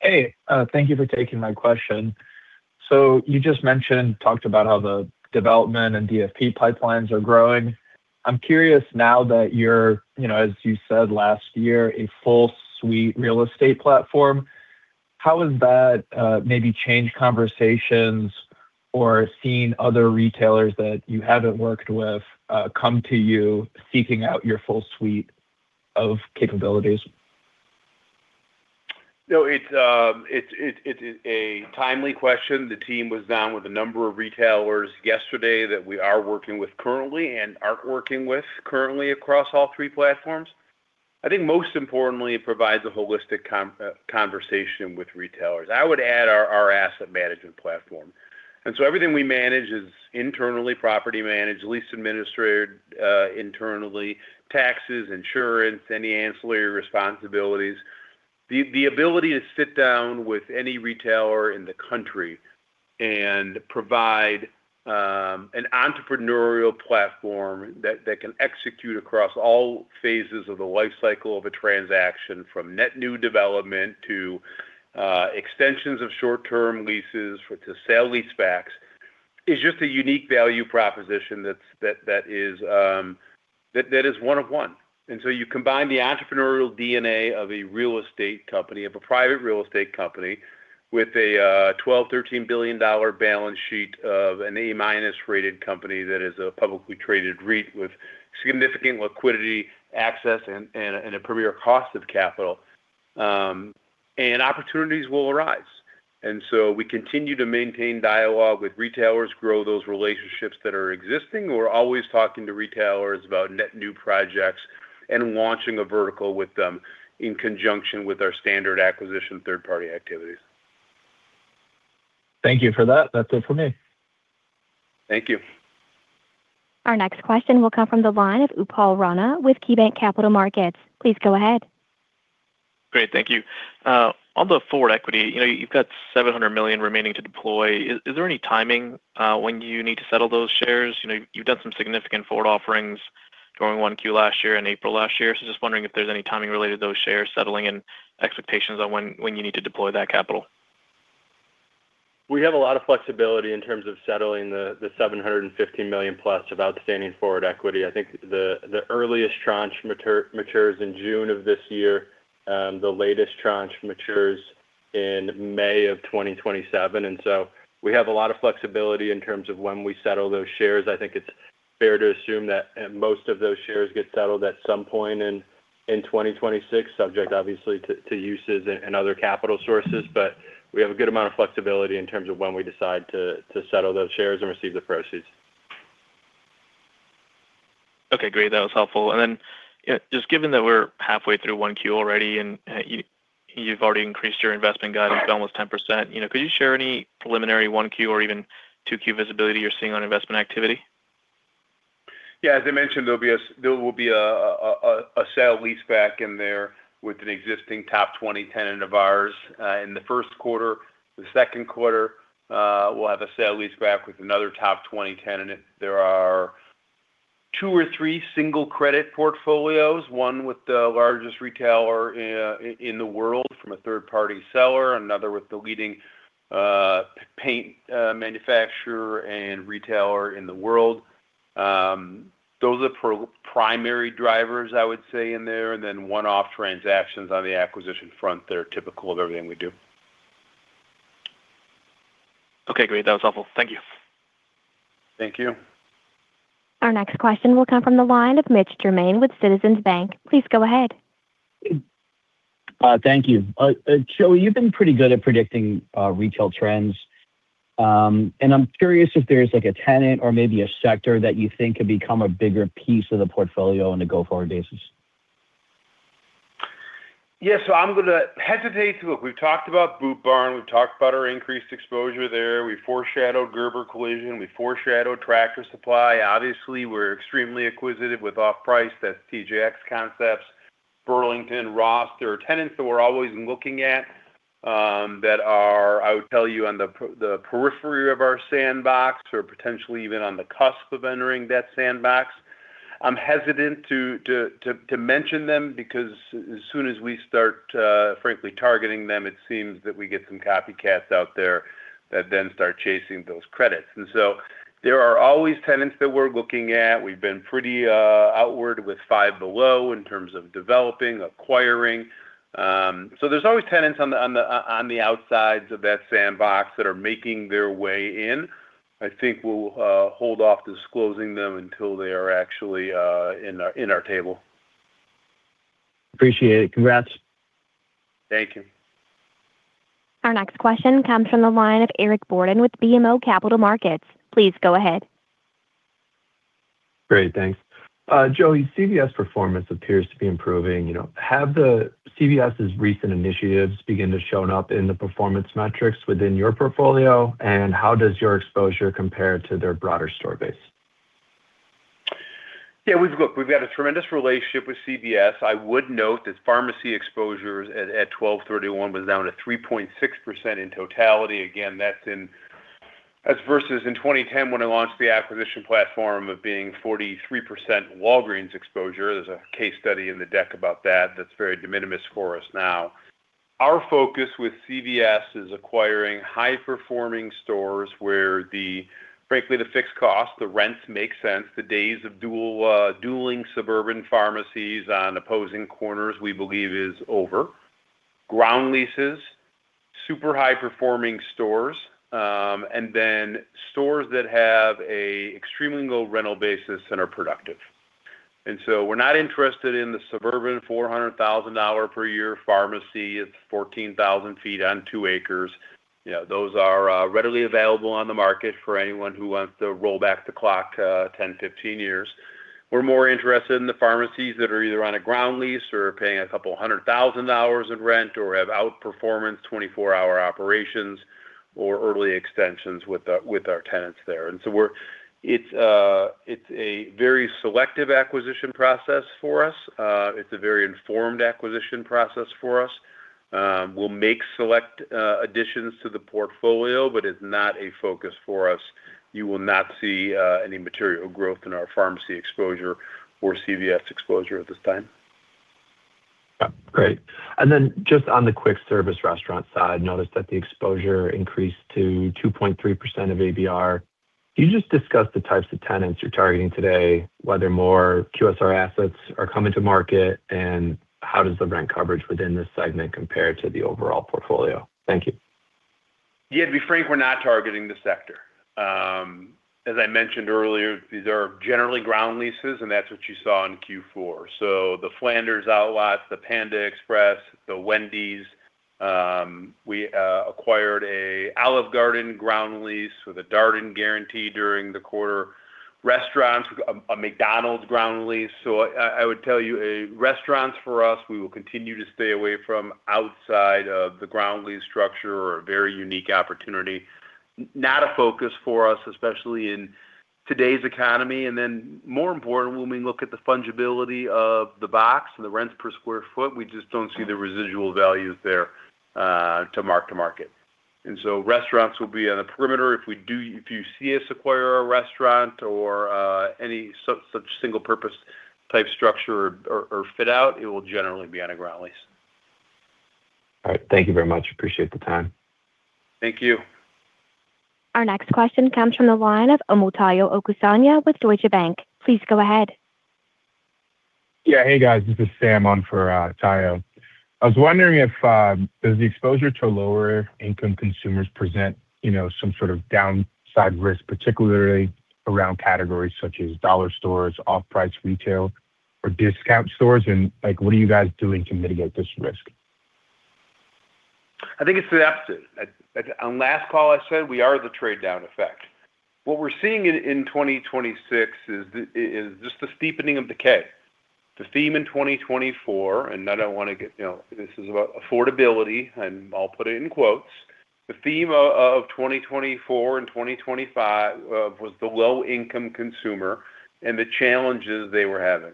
Hey, thank you for taking my question. So you just mentioned, talked about how the development and DFP pipelines are growing. I'm curious now that you're, you know, as you said last year, a full suite real estate platform, how has that maybe changed conversations or seen other retailers that you haven't worked with come to you seeking out your full suite of capabilities? No, it's a timely question. The team was down with a number of retailers yesterday that we are working with currently and aren't working with currently across all three platforms. I think most importantly, it provides a holistic conversation with retailers. I would add our asset management platform. And so everything we manage is internally property managed, lease administered, internally, taxes, insurance, any ancillary responsibilities. The ability to sit down with any retailer in the country and provide an entrepreneurial platform that can execute across all phases of the life cycle of a transaction, from net new development to extensions of short-term leases to sale-leasebacks, is just a unique value proposition that is one of one. You combine the entrepreneurial DNA of a real estate company, of a private real estate company with a $12-$13 billion balance sheet of an A-minus rated company that is a publicly traded REIT with significant liquidity, access, and a premier cost of capital. Opportunities will arise. We continue to maintain dialogue with retailers, grow those relationships that are existing. We're always talking to retailers about net new projects and launching a vertical with them in conjunction with our standard acquisition third-party activities. Thank you for that. That's it for me. Thank you. Our next question will come from the line of Upal Rana with KeyBank Capital Markets. Please go ahead. Great, thank you. On the forward equity, you know, you've got $700 million remaining to deploy. Is there any timing when you need to settle those shares? You know, you've done some significant forward offerings during Q1 last year and April last year. So just wondering if there's any timing related to those shares settling and expectations on when you need to deploy that capital. We have a lot of flexibility in terms of settling the 750 million+ of outstanding forward equity. I think the earliest tranche matures in June of this year, the latest tranche matures in May of 2027, and so we have a lot of flexibility in terms of when we settle those shares. I think it's fair to assume that most of those shares get settled at some point in 2026, subject obviously to uses and other capital sources. But we have a good amount of flexibility in terms of when we decide to settle those shares and receive the proceeds. Okay, great. That was helpful. Then, just given that we're halfway through one Q already, and, you've already increased your investment guidance- Sure by almost 10%, you know, could you share any preliminary 1Q or even 2Q visibility you're seeing on investment activity? Yeah, as I mentioned, there will be a sale-leaseback in there with an existing top 20 tenant of ours in the first quarter. The second quarter, we'll have a sale-leaseback with another top 20 tenant. There are two or three single credit portfolios, one with the largest retailer in the world from a third-party seller, another with the leading paint manufacturer and retailer in the world. Those are primary drivers, I would say, in there, and then one-off transactions on the acquisition front that are typical of everything we do. Okay, great. That was helpful. Thank you. Thank you. Our next question will come from the line of Mitch Germain with Citizens Bank. Please go ahead. Thank you. Joey, you've been pretty good at predicting retail trends. And I'm curious if there's, like, a tenant or maybe a sector that you think could become a bigger piece of the portfolio on a go-forward basis. Yeah, so I'm going to hesitate to... We've talked about Boot Barn, we've talked about our increased exposure there. We foreshadowed Gerber Collision, we foreshadowed Tractor Supply. Obviously, we're extremely inquisitive with off-price. That's TJX Concepts, Burlington, Ross. There are tenants that we're always looking at that are, I would tell you, on the periphery of our sandbox or potentially even on the cusp of entering that sandbox. I'm hesitant to mention them because as soon as we start frankly targeting them, it seems that we get some copycats out there that then start chasing those credits. And so there are always tenants that we're looking at. We've been pretty outward with Five Below in terms of developing, acquiring. So there's always tenants on the outsides of that sandbox that are making their way in. I think we'll hold off disclosing them until they are actually in our, in our table. Appreciate it. Congrats. Thank you. Our next question comes from the line of Eric Borden with BMO Capital Markets. Please go ahead. Great, thanks. Joey, CVS performance appears to be improving, you know. Have the CVS's recent initiatives begin to shown up in the performance metrics within your portfolio? And how does your exposure compare to their broader store base? Yeah, look, we've got a tremendous relationship with CVS. I would note that pharmacy exposures at 12/31 was down to 3.6% in totality. Again, that's versus in 2010, when I launched the acquisition platform of being 43% Walgreens exposure. There's a case study in the deck about that. That's very de minimis for us now. Our focus with CVS is acquiring high-performing stores where the frankly, the fixed cost, the rents make sense. The days of dual, dueling suburban pharmacies on opposing corners, we believe is over. Ground leases, super high-performing stores, and then stores that have an extremely low rental basis and are productive. And so we're not interested in the suburban $400,000 per year pharmacy. It's 14,000 sq ft on 2 acres. You know, those are readily available on the market for anyone who wants to roll back the clock 10, 15 years. We're more interested in the pharmacies that are either on a ground lease or paying $200,000 in rent or have outperformance 24-hour operations or early extensions with our tenants there. It's a very selective acquisition process for us. It's a very informed acquisition process for us. We'll make select additions to the portfolio, but it's not a focus for us. You will not see any material growth in our pharmacy exposure or CVS exposure at this time. Yeah, great. And then just on the quick service restaurant side, noticed that the exposure increased to 2.3% of ABR. You just discussed the types of tenants you're targeting today, whether more QSR assets are coming to market, and how does the brand coverage within this segment compare to the overall portfolio? Thank you. Yeah, to be frank, we're not targeting the sector. As I mentioned earlier, these are generally ground leases, and that's what you saw in Q4. So the Flanders Outlets, the Panda Express, the Wendy's, we acquired an Olive Garden ground lease with a Darden guarantee during the quarter. Restaurants, a McDonald's ground lease. So I would tell you, restaurants for us, we will continue to stay away from outside of the ground lease structure or a very unique opportunity. Not a focus for us, especially in today's economy, and then more important, when we look at the fungibility of the box and the rents per square foot, we just don't see the residual values there to mark-to-market. And so restaurants will be on the perimeter. If we do, if you see us acquire a restaurant or any such single purpose type structure or fit out, it will generally be on a ground lease. All right. Thank you very much. Appreciate the time. Thank you. Our next question comes from the line of Omotayo Okusanya with Deutsche Bank. Please go ahead. Yeah. Hey, guys. This is Sam on for Tayo. I was wondering if does the exposure to lower income consumers present, you know, some sort of downside risk, particularly around categories such as dollar stores, off-price retail, or discount stores? And, like, what are you guys doing to mitigate this risk? I think it's adapted. On last call, I said we are the trade-down effect. What we're seeing in 2026 is just the steepening of decay. The theme in 2024, and I don't want to get... You know, this is about affordability, and I'll put it in quotes. "The theme of 2024 and 2025 was the low-income consumer and the challenges they were having."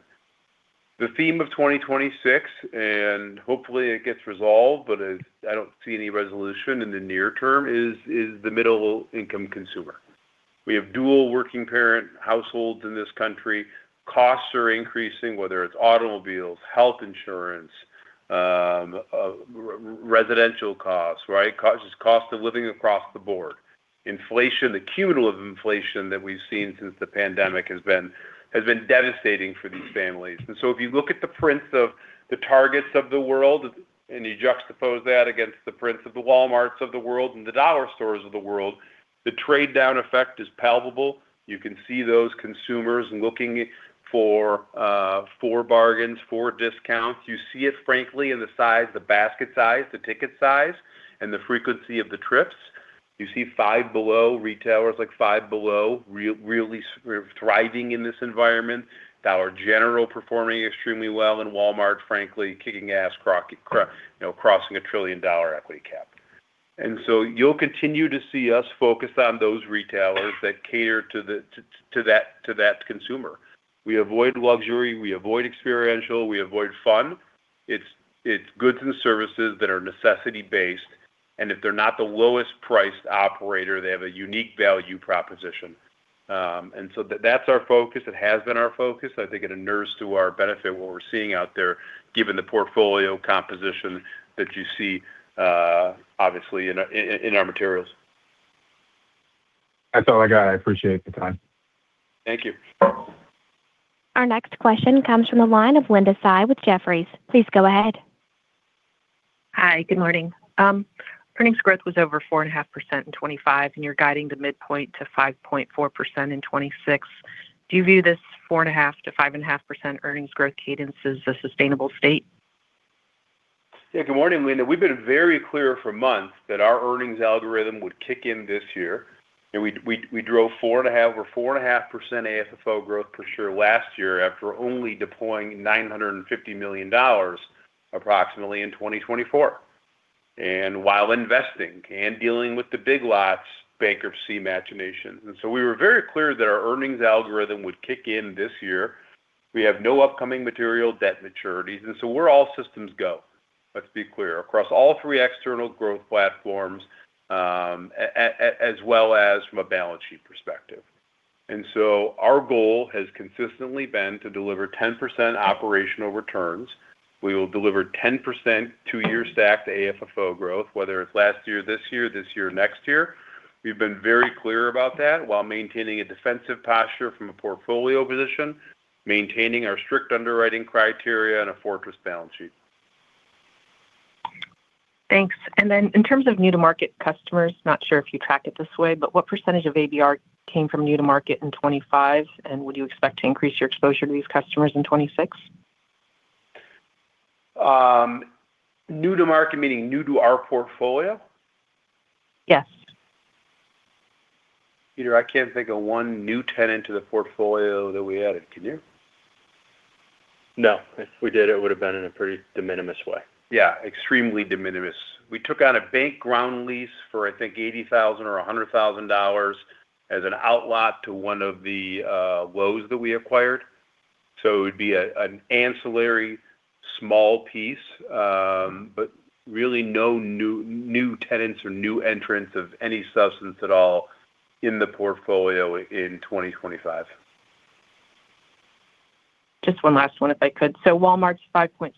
The theme of 2026, and hopefully it gets resolved, but I don't see any resolution in the near term, is the middle-income consumer. We have dual working parent households in this country. Costs are increasing, whether it's automobiles, health insurance, residential costs, right? Cost of living across the board. Inflation, the cumulative inflation that we've seen since the pandemic has been devastating for these families. And so if you look at the prints of the Targets of the world, and you juxtapose that against the prints of the Walmarts of the world and the dollar stores of the world, the trade-down effect is palpable. You can see those consumers looking for, for bargains, for discounts. You see it frankly in the size, the basket size, the ticket size, and the frequency of the trips. You see Five Below, retailers like Five Below, really thriving in this environment, Dollar General performing extremely well, and Walmart frankly, kicking ass, you know, crossing a trillion-dollar equity cap. And so you'll continue to see us focused on those retailers that cater to the-- to, to that, to that consumer. We avoid luxury, we avoid experiential, we avoid fun. It's goods and services that are necessity-based, and if they're not the lowest priced operator, they have a unique value proposition. And so that's our focus. It has been our focus. I think it inures to our benefit, what we're seeing out there, given the portfolio composition that you see, obviously in our materials. That's all I got. I appreciate the time. Thank you. Our next question comes from the line of Linda Tsai with Jefferies. Please go ahead. Hi, good morning. Earnings growth was over 4.5% in 2025, and you're guiding the midpoint to 5.4% in 2026. Do you view this 4.5%-5.5% earnings growth cadence as a sustainable state? Yeah. Good morning, Linda. We've been very clear for months that our earnings algorithm would kick in this year, and we drove over 4.5% AFFO growth for sure last year, after only deploying approximately $950 million in 2024, and while investing and dealing with the Big Lots bankruptcy machinations. So we were very clear that our earnings algorithm would kick in this year. We have no upcoming material debt maturities, and so we're all systems go, let's be clear, across all three external growth platforms, as well as from a balance sheet perspective. So our goal has consistently been to deliver 10% operational returns. We will deliver 10% two-year stacked AFFO growth, whether it's last year, this year, this year, or next year. We've been very clear about that while maintaining a defensive posture from a portfolio position, maintaining our strict underwriting criteria and a fortress balance sheet. Thanks. And then in terms of new to market customers, not sure if you tracked it this way, but what percentage of ABR came from new to market in 2025, and would you expect to increase your exposure to these customers in 2026? New to market, meaning new to our portfolio? Yes. Peter, I can't think of one new tenant to the portfolio that we added, can you? No. If we did, it would've been in a pretty de minimis way. Yeah, extremely de minimis. We took out a bank ground lease for, I think, $80,000 or $100,000 as an outlot to one of the Lowe's that we acquired. So it would be a, an ancillary small piece, but really no new tenants or new entrants of any substance at all in the portfolio in 2025.... Just one last one, if I could. So Walmart's 5.6%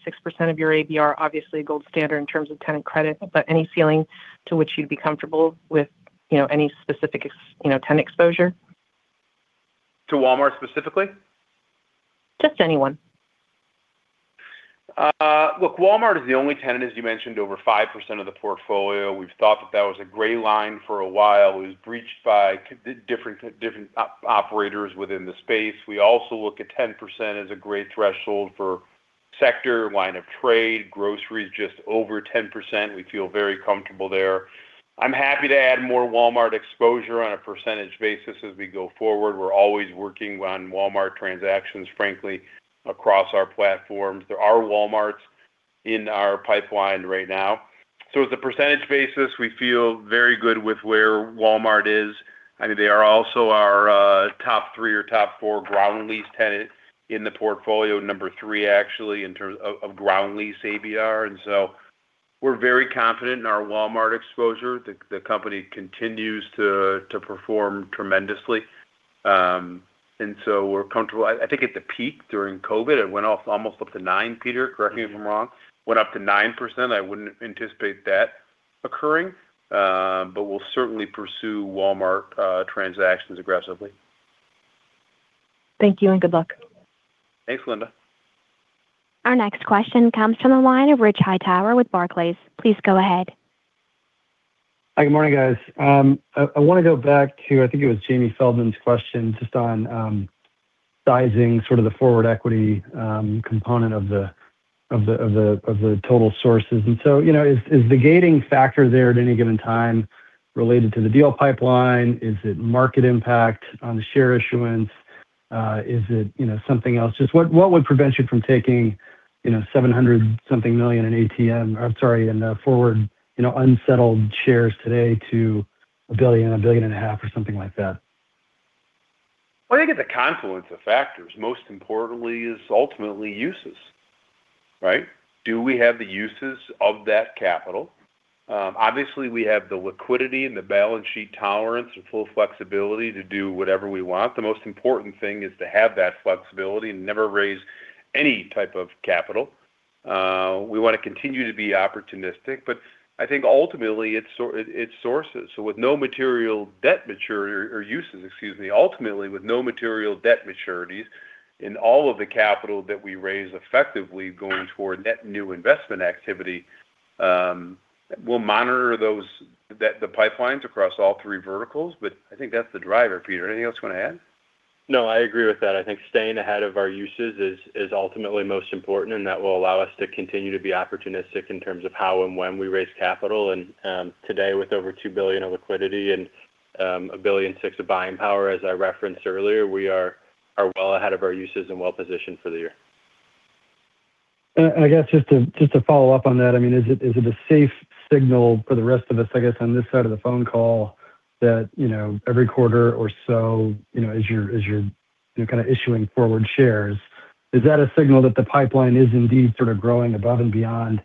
of your ABR, obviously a gold standard in terms of tenant credit, but any ceiling to which you'd be comfortable with, you know, any specific, you know, tenant exposure? To Walmart specifically? Just anyone. Look, Walmart is the only tenant, as you mentioned, over 5% of the portfolio. We've thought that that was a gray line for a while. It was breached by different operators within the space. We also look at 10% as a gray threshold for sector, line of trade, grocery is just over 10%. We feel very comfortable there. I'm happy to add more Walmart exposure on a percentage basis as we go forward. We're always working on Walmart transactions, frankly, across our platforms. There are Walmarts in our pipeline right now. So as a percentage basis, we feel very good with where Walmart is. I mean, they are also our top three or top four ground lease tenant in the portfolio, number three, actually, in terms of ground lease ABR. And so we're very confident in our Walmart exposure. The company continues to perform tremendously. And so we're comfortable. I think at the peak during COVID, it went off almost up to 9, Peter, correct me if I'm wrong. Went up to 9%. I wouldn't anticipate that occurring, but we'll certainly pursue Walmart transactions aggressively. Thank you, and good luck. Thanks, Linda. Our next question comes from the line of Rich Hightower with Barclays. Please go ahead. Hi, good morning, guys. I wanna go back to, I think it was Jamie Feldman's question, just on sizing sort of the forward equity component of the total sources. And so, you know, is the gating factor there at any given time related to the deal pipeline? Is it market impact on the share issuance? Is it, you know, something else? Just what would prevent you from taking, you know, $700+ million in ATM... I'm sorry, in forward, you know, unsettled shares today to $1 billion-$1.5 billion, or something like that? Well, I think it's a confluence of factors. Most importantly is ultimately uses, right? Do we have the uses of that capital? Obviously, we have the liquidity and the balance sheet tolerance and full flexibility to do whatever we want. The most important thing is to have that flexibility and never raise any type of capital. We wanna continue to be opportunistic, but I think ultimately it's sources. So with no material debt maturity or uses, excuse me, ultimately, with no material debt maturities, and all of the capital that we raise effectively going toward net new investment activity, we'll monitor those, the, the pipelines across all three verticals, but I think that's the driver. Peter, anything else you wanna add? No, I agree with that. I think staying ahead of our uses is ultimately most important, and that will allow us to continue to be opportunistic in terms of how and when we raise capital. And today, with over $2 billion of liquidity and a billion six of buying power, as I referenced earlier, we are well ahead of our uses and well positioned for the year. And I guess just to follow up on that, I mean, is it a safe signal for the rest of us, I guess, on this side of the phone call, that, you know, every quarter or so, you know, as you're issuing forward shares, is that a signal that the pipeline is indeed sort of growing above and beyond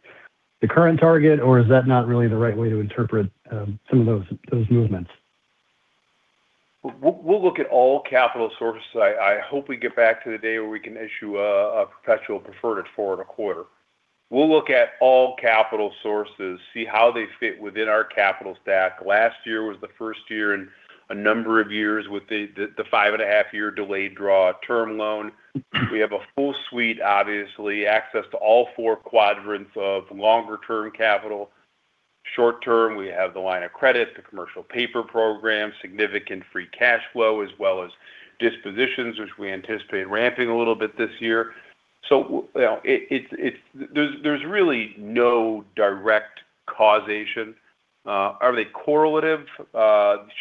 the current target, or is that not really the right way to interpret some of those movements? We'll look at all capital sources. I hope we get back to the day where we can issue a perpetual preferred at 4.25. We'll look at all capital sources, see how they fit within our capital stack. Last year was the first year in a number of years with the 5.5-year delayed draw term loan. We have a full suite, obviously, access to all four quadrants of longer-term capital. Short term, we have the line of credit, the commercial paper program, significant free cash flow, as well as dispositions, which we anticipate ramping a little bit this year. So, there's really no direct causation. Are they correlative?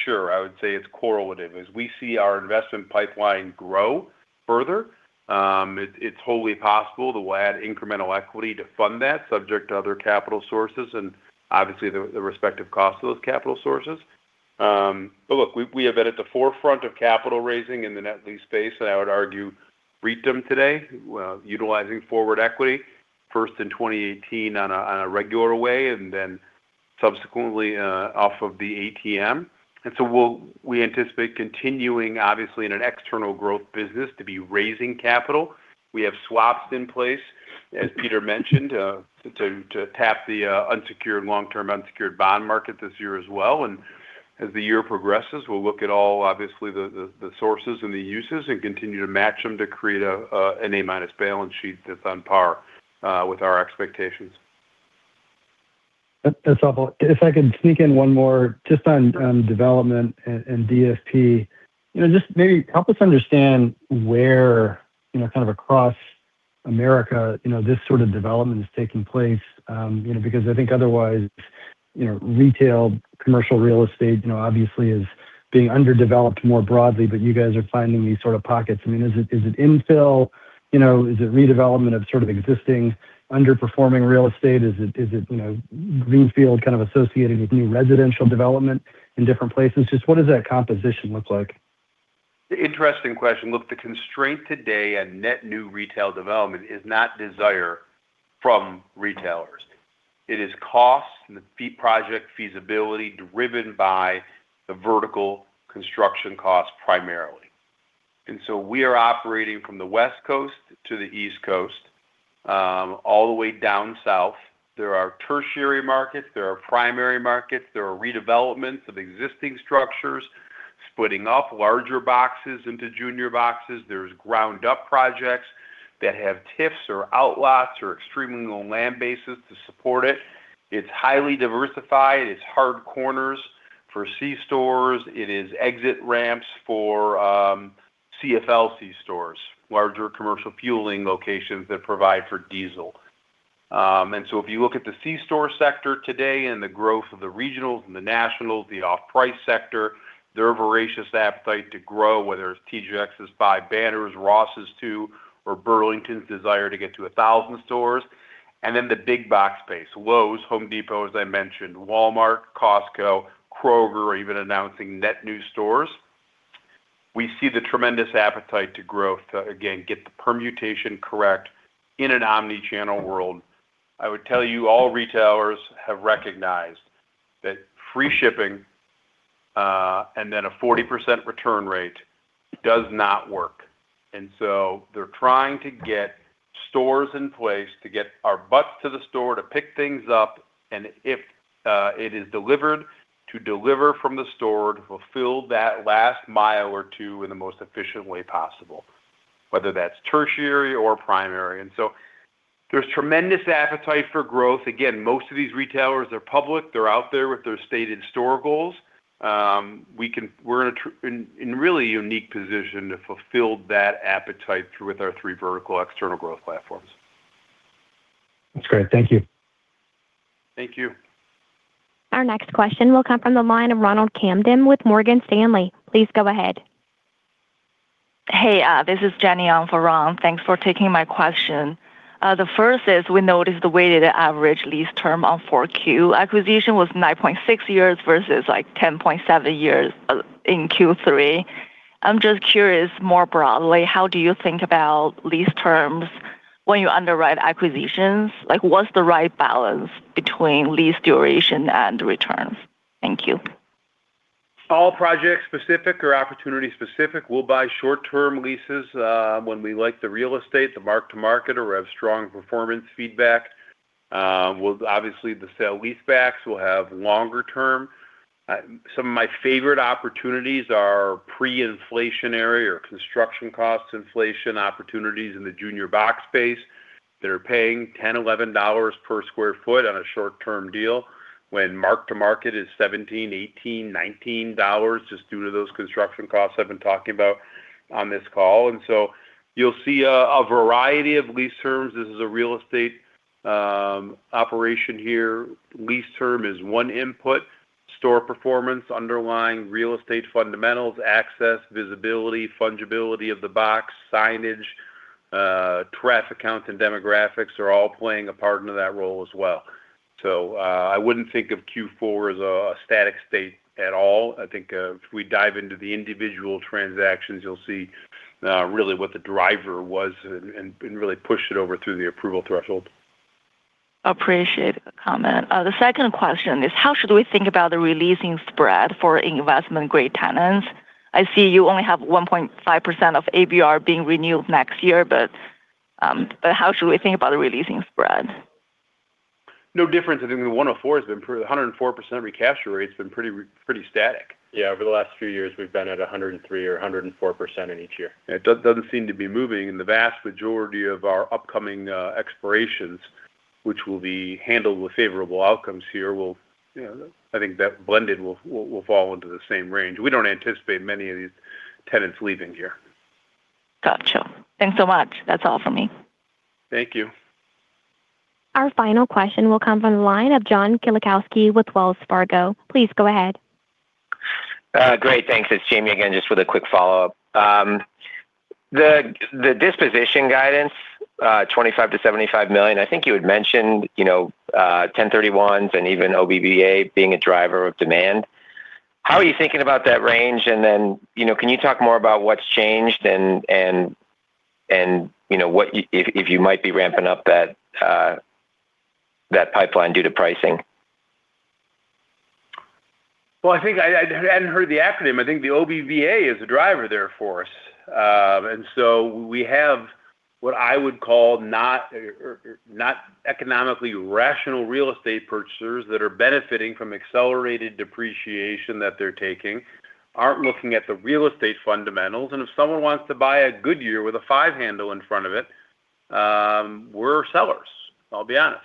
Sure, I would say it's correlative. As we see our investment pipeline grow further, it's wholly possible to add incremental equity to fund that, subject to other capital sources, and obviously, the respective cost of those capital sources. But look, we have been at the forefront of capital raising in the net lease space, and I would argue leading them today, utilizing forward equity, first in 2018 on a regular way, and then subsequently off of the ATM. And so we'll anticipate continuing, obviously, in an external growth business to be raising capital. We have swaps in place, as Peter mentioned, to tap the unsecured, long-term unsecured bond market this year as well. As the year progresses, we'll look at all, obviously, the sources and the uses and continue to match them to create an A- balance sheet that's on par with our expectations. That, that's all. If I could sneak in one more just on development and DFP. You know, just maybe help us understand where, you know, kind of across America, you know, this sort of development is taking place. You know, because I think otherwise, you know, retail, commercial real estate, you know, obviously is being underdeveloped more broadly, but you guys are finding these sort of pockets. I mean, is it, is it infill? You know, is it redevelopment of sort of existing underperforming real estate? Is it, is it, you know, greenfield kind of associated with new residential development in different places? Just what does that composition look like? Interesting question. Look, the constraint today on net new retail development is not desire from retailers. It is cost and the project feasibility driven by the vertical construction cost primarily. And so we are operating from the West Coast to the East Coast, all the way down south. There are tertiary markets, there are primary markets, there are redevelopments of existing structures, splitting up larger boxes into junior boxes. There's ground-up projects that have TIFs or outlots or extremely low land bases to support it. It's highly diversified. It's hard corners for C-stores. It is exit ramps for, CFL C-stores, larger commercial fueling locations that provide for diesel. And so if you look at the C store sector today and the growth of the regionals and the nationals, the off-price sector, their voracious appetite to grow, whether it's TJX's five banners, Ross's too, or Burlington's desire to get to 1,000 stores. Then the big box space, Lowe's, Home Depot, as I mentioned, Walmart, Costco, Kroger, even announcing net new stores. We see the tremendous appetite to growth, to again, get the permutation correct in an omni-channel world. I would tell you, all retailers have recognized that free shipping and then a 40% return rate does not work. And so they're trying to get stores in place to get our butts to the store to pick things up, and if it is delivered, to deliver from the store to fulfill that last mile or two in the most efficient way possible, whether that's tertiary or primary. There's tremendous appetite for growth. Again, most of these retailers are public. They're out there with their stated store goals. We're in a really unique position to fulfill that appetite through with our three vertical external growth platforms. That's great. Thank you. Thank you. Our next question will come from the line of Ronald Kamdem with Morgan Stanley. Please go ahead. Hey, this is Jenny on for Ron. Thanks for taking my question. The first is, we noticed the weighted average lease term on Q4 acquisition was 9.6 years versus, like, 10.7 years in Q3. I'm just curious, more broadly, how do you think about lease terms when you underwrite acquisitions? Like, what's the right balance between lease duration and returns? Thank you. All projects specific or opportunity specific, we'll buy short-term leases when we like the real estate, the mark to market, or have strong performance feedback. Well, obviously, the sale leasebacks will have longer term. Some of my favorite opportunities are pre-inflationary or construction cost inflation opportunities in the junior box space. They're paying $10-$11 per sq ft on a short-term deal, when mark to market is $17, $18, $19, just due to those construction costs I've been talking about on this call. And so you'll see a variety of lease terms. This is a real estate operation here. Lease term is one input, store performance, underlying real estate fundamentals, access, visibility, fungibility of the box, signage, traffic counts and demographics are all playing a part into that role as well. So, I wouldn't think of Q4 as a static state at all. I think, if we dive into the individual transactions, you'll see, really what the driver was and really push it over through the approval threshold. Appreciate the comment. The second question is, how should we think about the re-leasing spread for investment-grade tenants? I see you only have 1.5% of ABR being renewed next year, but how should we think about the re-leasing spread? No difference. I think the 104 has been pretty... A 104% recapture rate has been pretty, pretty static. Yeah, over the last few years, we've been at 103 or 104% in each year. It doesn't seem to be moving, and the vast majority of our upcoming expirations, which will be handled with favorable outcomes here, will, you know, I think that blended will fall into the same range. We don't anticipate many of these tenants leaving here. Gotcha. Thanks so much. That's all for me. Thank you. Our final question will come from the line of John Kilichowski with Wells Fargo. Please go ahead. Great. Thanks. It's Jamie again, just with a quick follow-up. The disposition guidance, $25 million-$75 million, I think you had mentioned, you know, 1031s and even BOV being a driver of demand. How are you thinking about that range? And then, you know, can you talk more about what's changed and, you know, what if you might be ramping up that pipeline due to pricing? Well, I think I hadn't heard the acronym. I think the OBVA is a driver there for us. And so we have what I would call not economically rational real estate purchasers that are benefiting from accelerated depreciation that they're taking, aren't looking at the real estate fundamentals, and if someone wants to buy a Goodyear with a five handle in front of it, we're sellers. I'll be honest.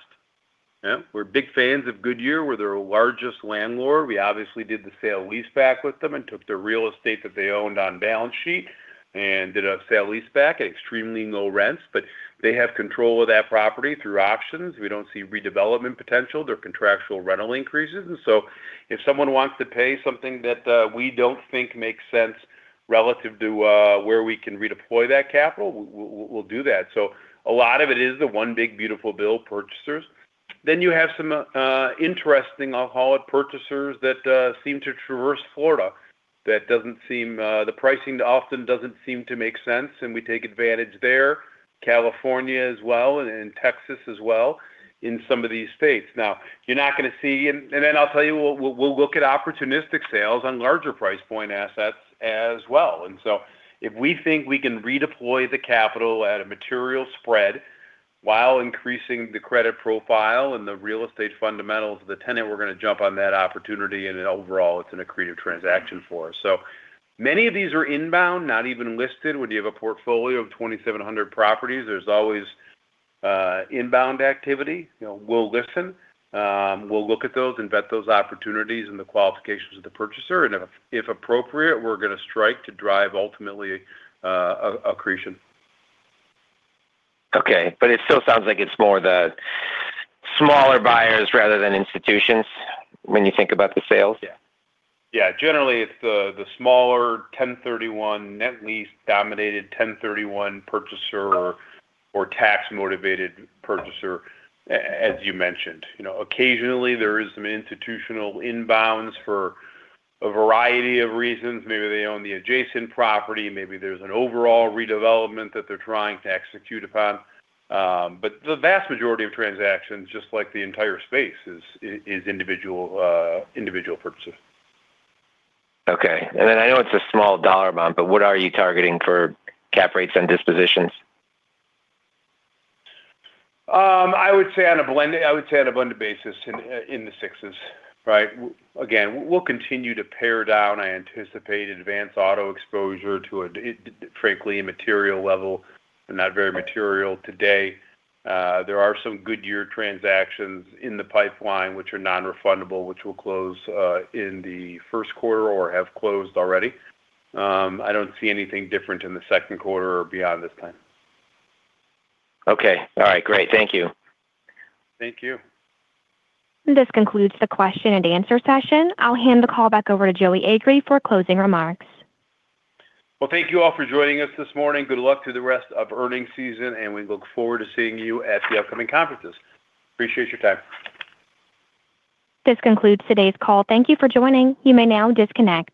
Yeah, we're big fans of Goodyear. We're their largest landlord. We obviously did the sale-leaseback with them and took the real estate that they owned on balance sheet and did a sale-leaseback at extremely low rents, but they have control of that property through options. We don't see redevelopment potential, there are contractual rental increases. And so if someone wants to pay something that, we don't think makes sense relative to, where we can redeploy that capital, we'll do that. So a lot of it is the one big beautiful bill purchasers. Then you have some, interesting, I'll call it, purchasers that, seem to traverse Florida... That doesn't seem, the pricing often doesn't seem to make sense, and we take advantage there. California as well, and, and Texas as well, in some of these states. Now, you're not gonna see, and, and then I'll tell you, we'll look at opportunistic sales on larger price point assets as well. And so if we think we can redeploy the capital at a material spread while increasing the credit profile and the real estate fundamentals of the tenant, we're gonna jump on that opportunity, and then overall, it's an accretive transaction for us. So many of these are inbound, not even listed. When you have a portfolio of 2,700 properties, there's always inbound activity. You know, we'll listen, we'll look at those, and vet those opportunities and the qualifications of the purchaser, and if, if appropriate, we're gonna strike to drive ultimately accretion. Okay, but it still sounds like it's more the smaller buyers rather than institutions when you think about the sales? Yeah. Yeah, generally, it's the smaller 1031 net lease-dominated, 1031 purchaser or tax-motivated purchaser, as you mentioned. You know, occasionally there is some institutional inbounds for a variety of reasons. Maybe they own the adjacent property, maybe there's an overall redevelopment that they're trying to execute upon. But the vast majority of transactions, just like the entire space, is individual purchasers. Okay. And then I know it's a small dollar amount, but what are you targeting for cap rates and dispositions? I would say on a blended basis, in the sixes, right? Again, we'll continue to pare down, I anticipate, Advance Auto exposure to a frankly, a material level and not very material today. There are some Goodyear transactions in the pipeline, which are non-refundable, which will close in the first quarter or have closed already. I don't see anything different in the second quarter or beyond this time. Okay. All right, great. Thank you. Thank you. This concludes the question and answer session. I'll hand the call back over to Joey Agree for closing remarks. Well, thank you all for joining us this morning. Good luck to the rest of earnings season, and we look forward to seeing you at the upcoming conferences. Appreciate your time. This concludes today's call. Thank you for joining. You may now disconnect.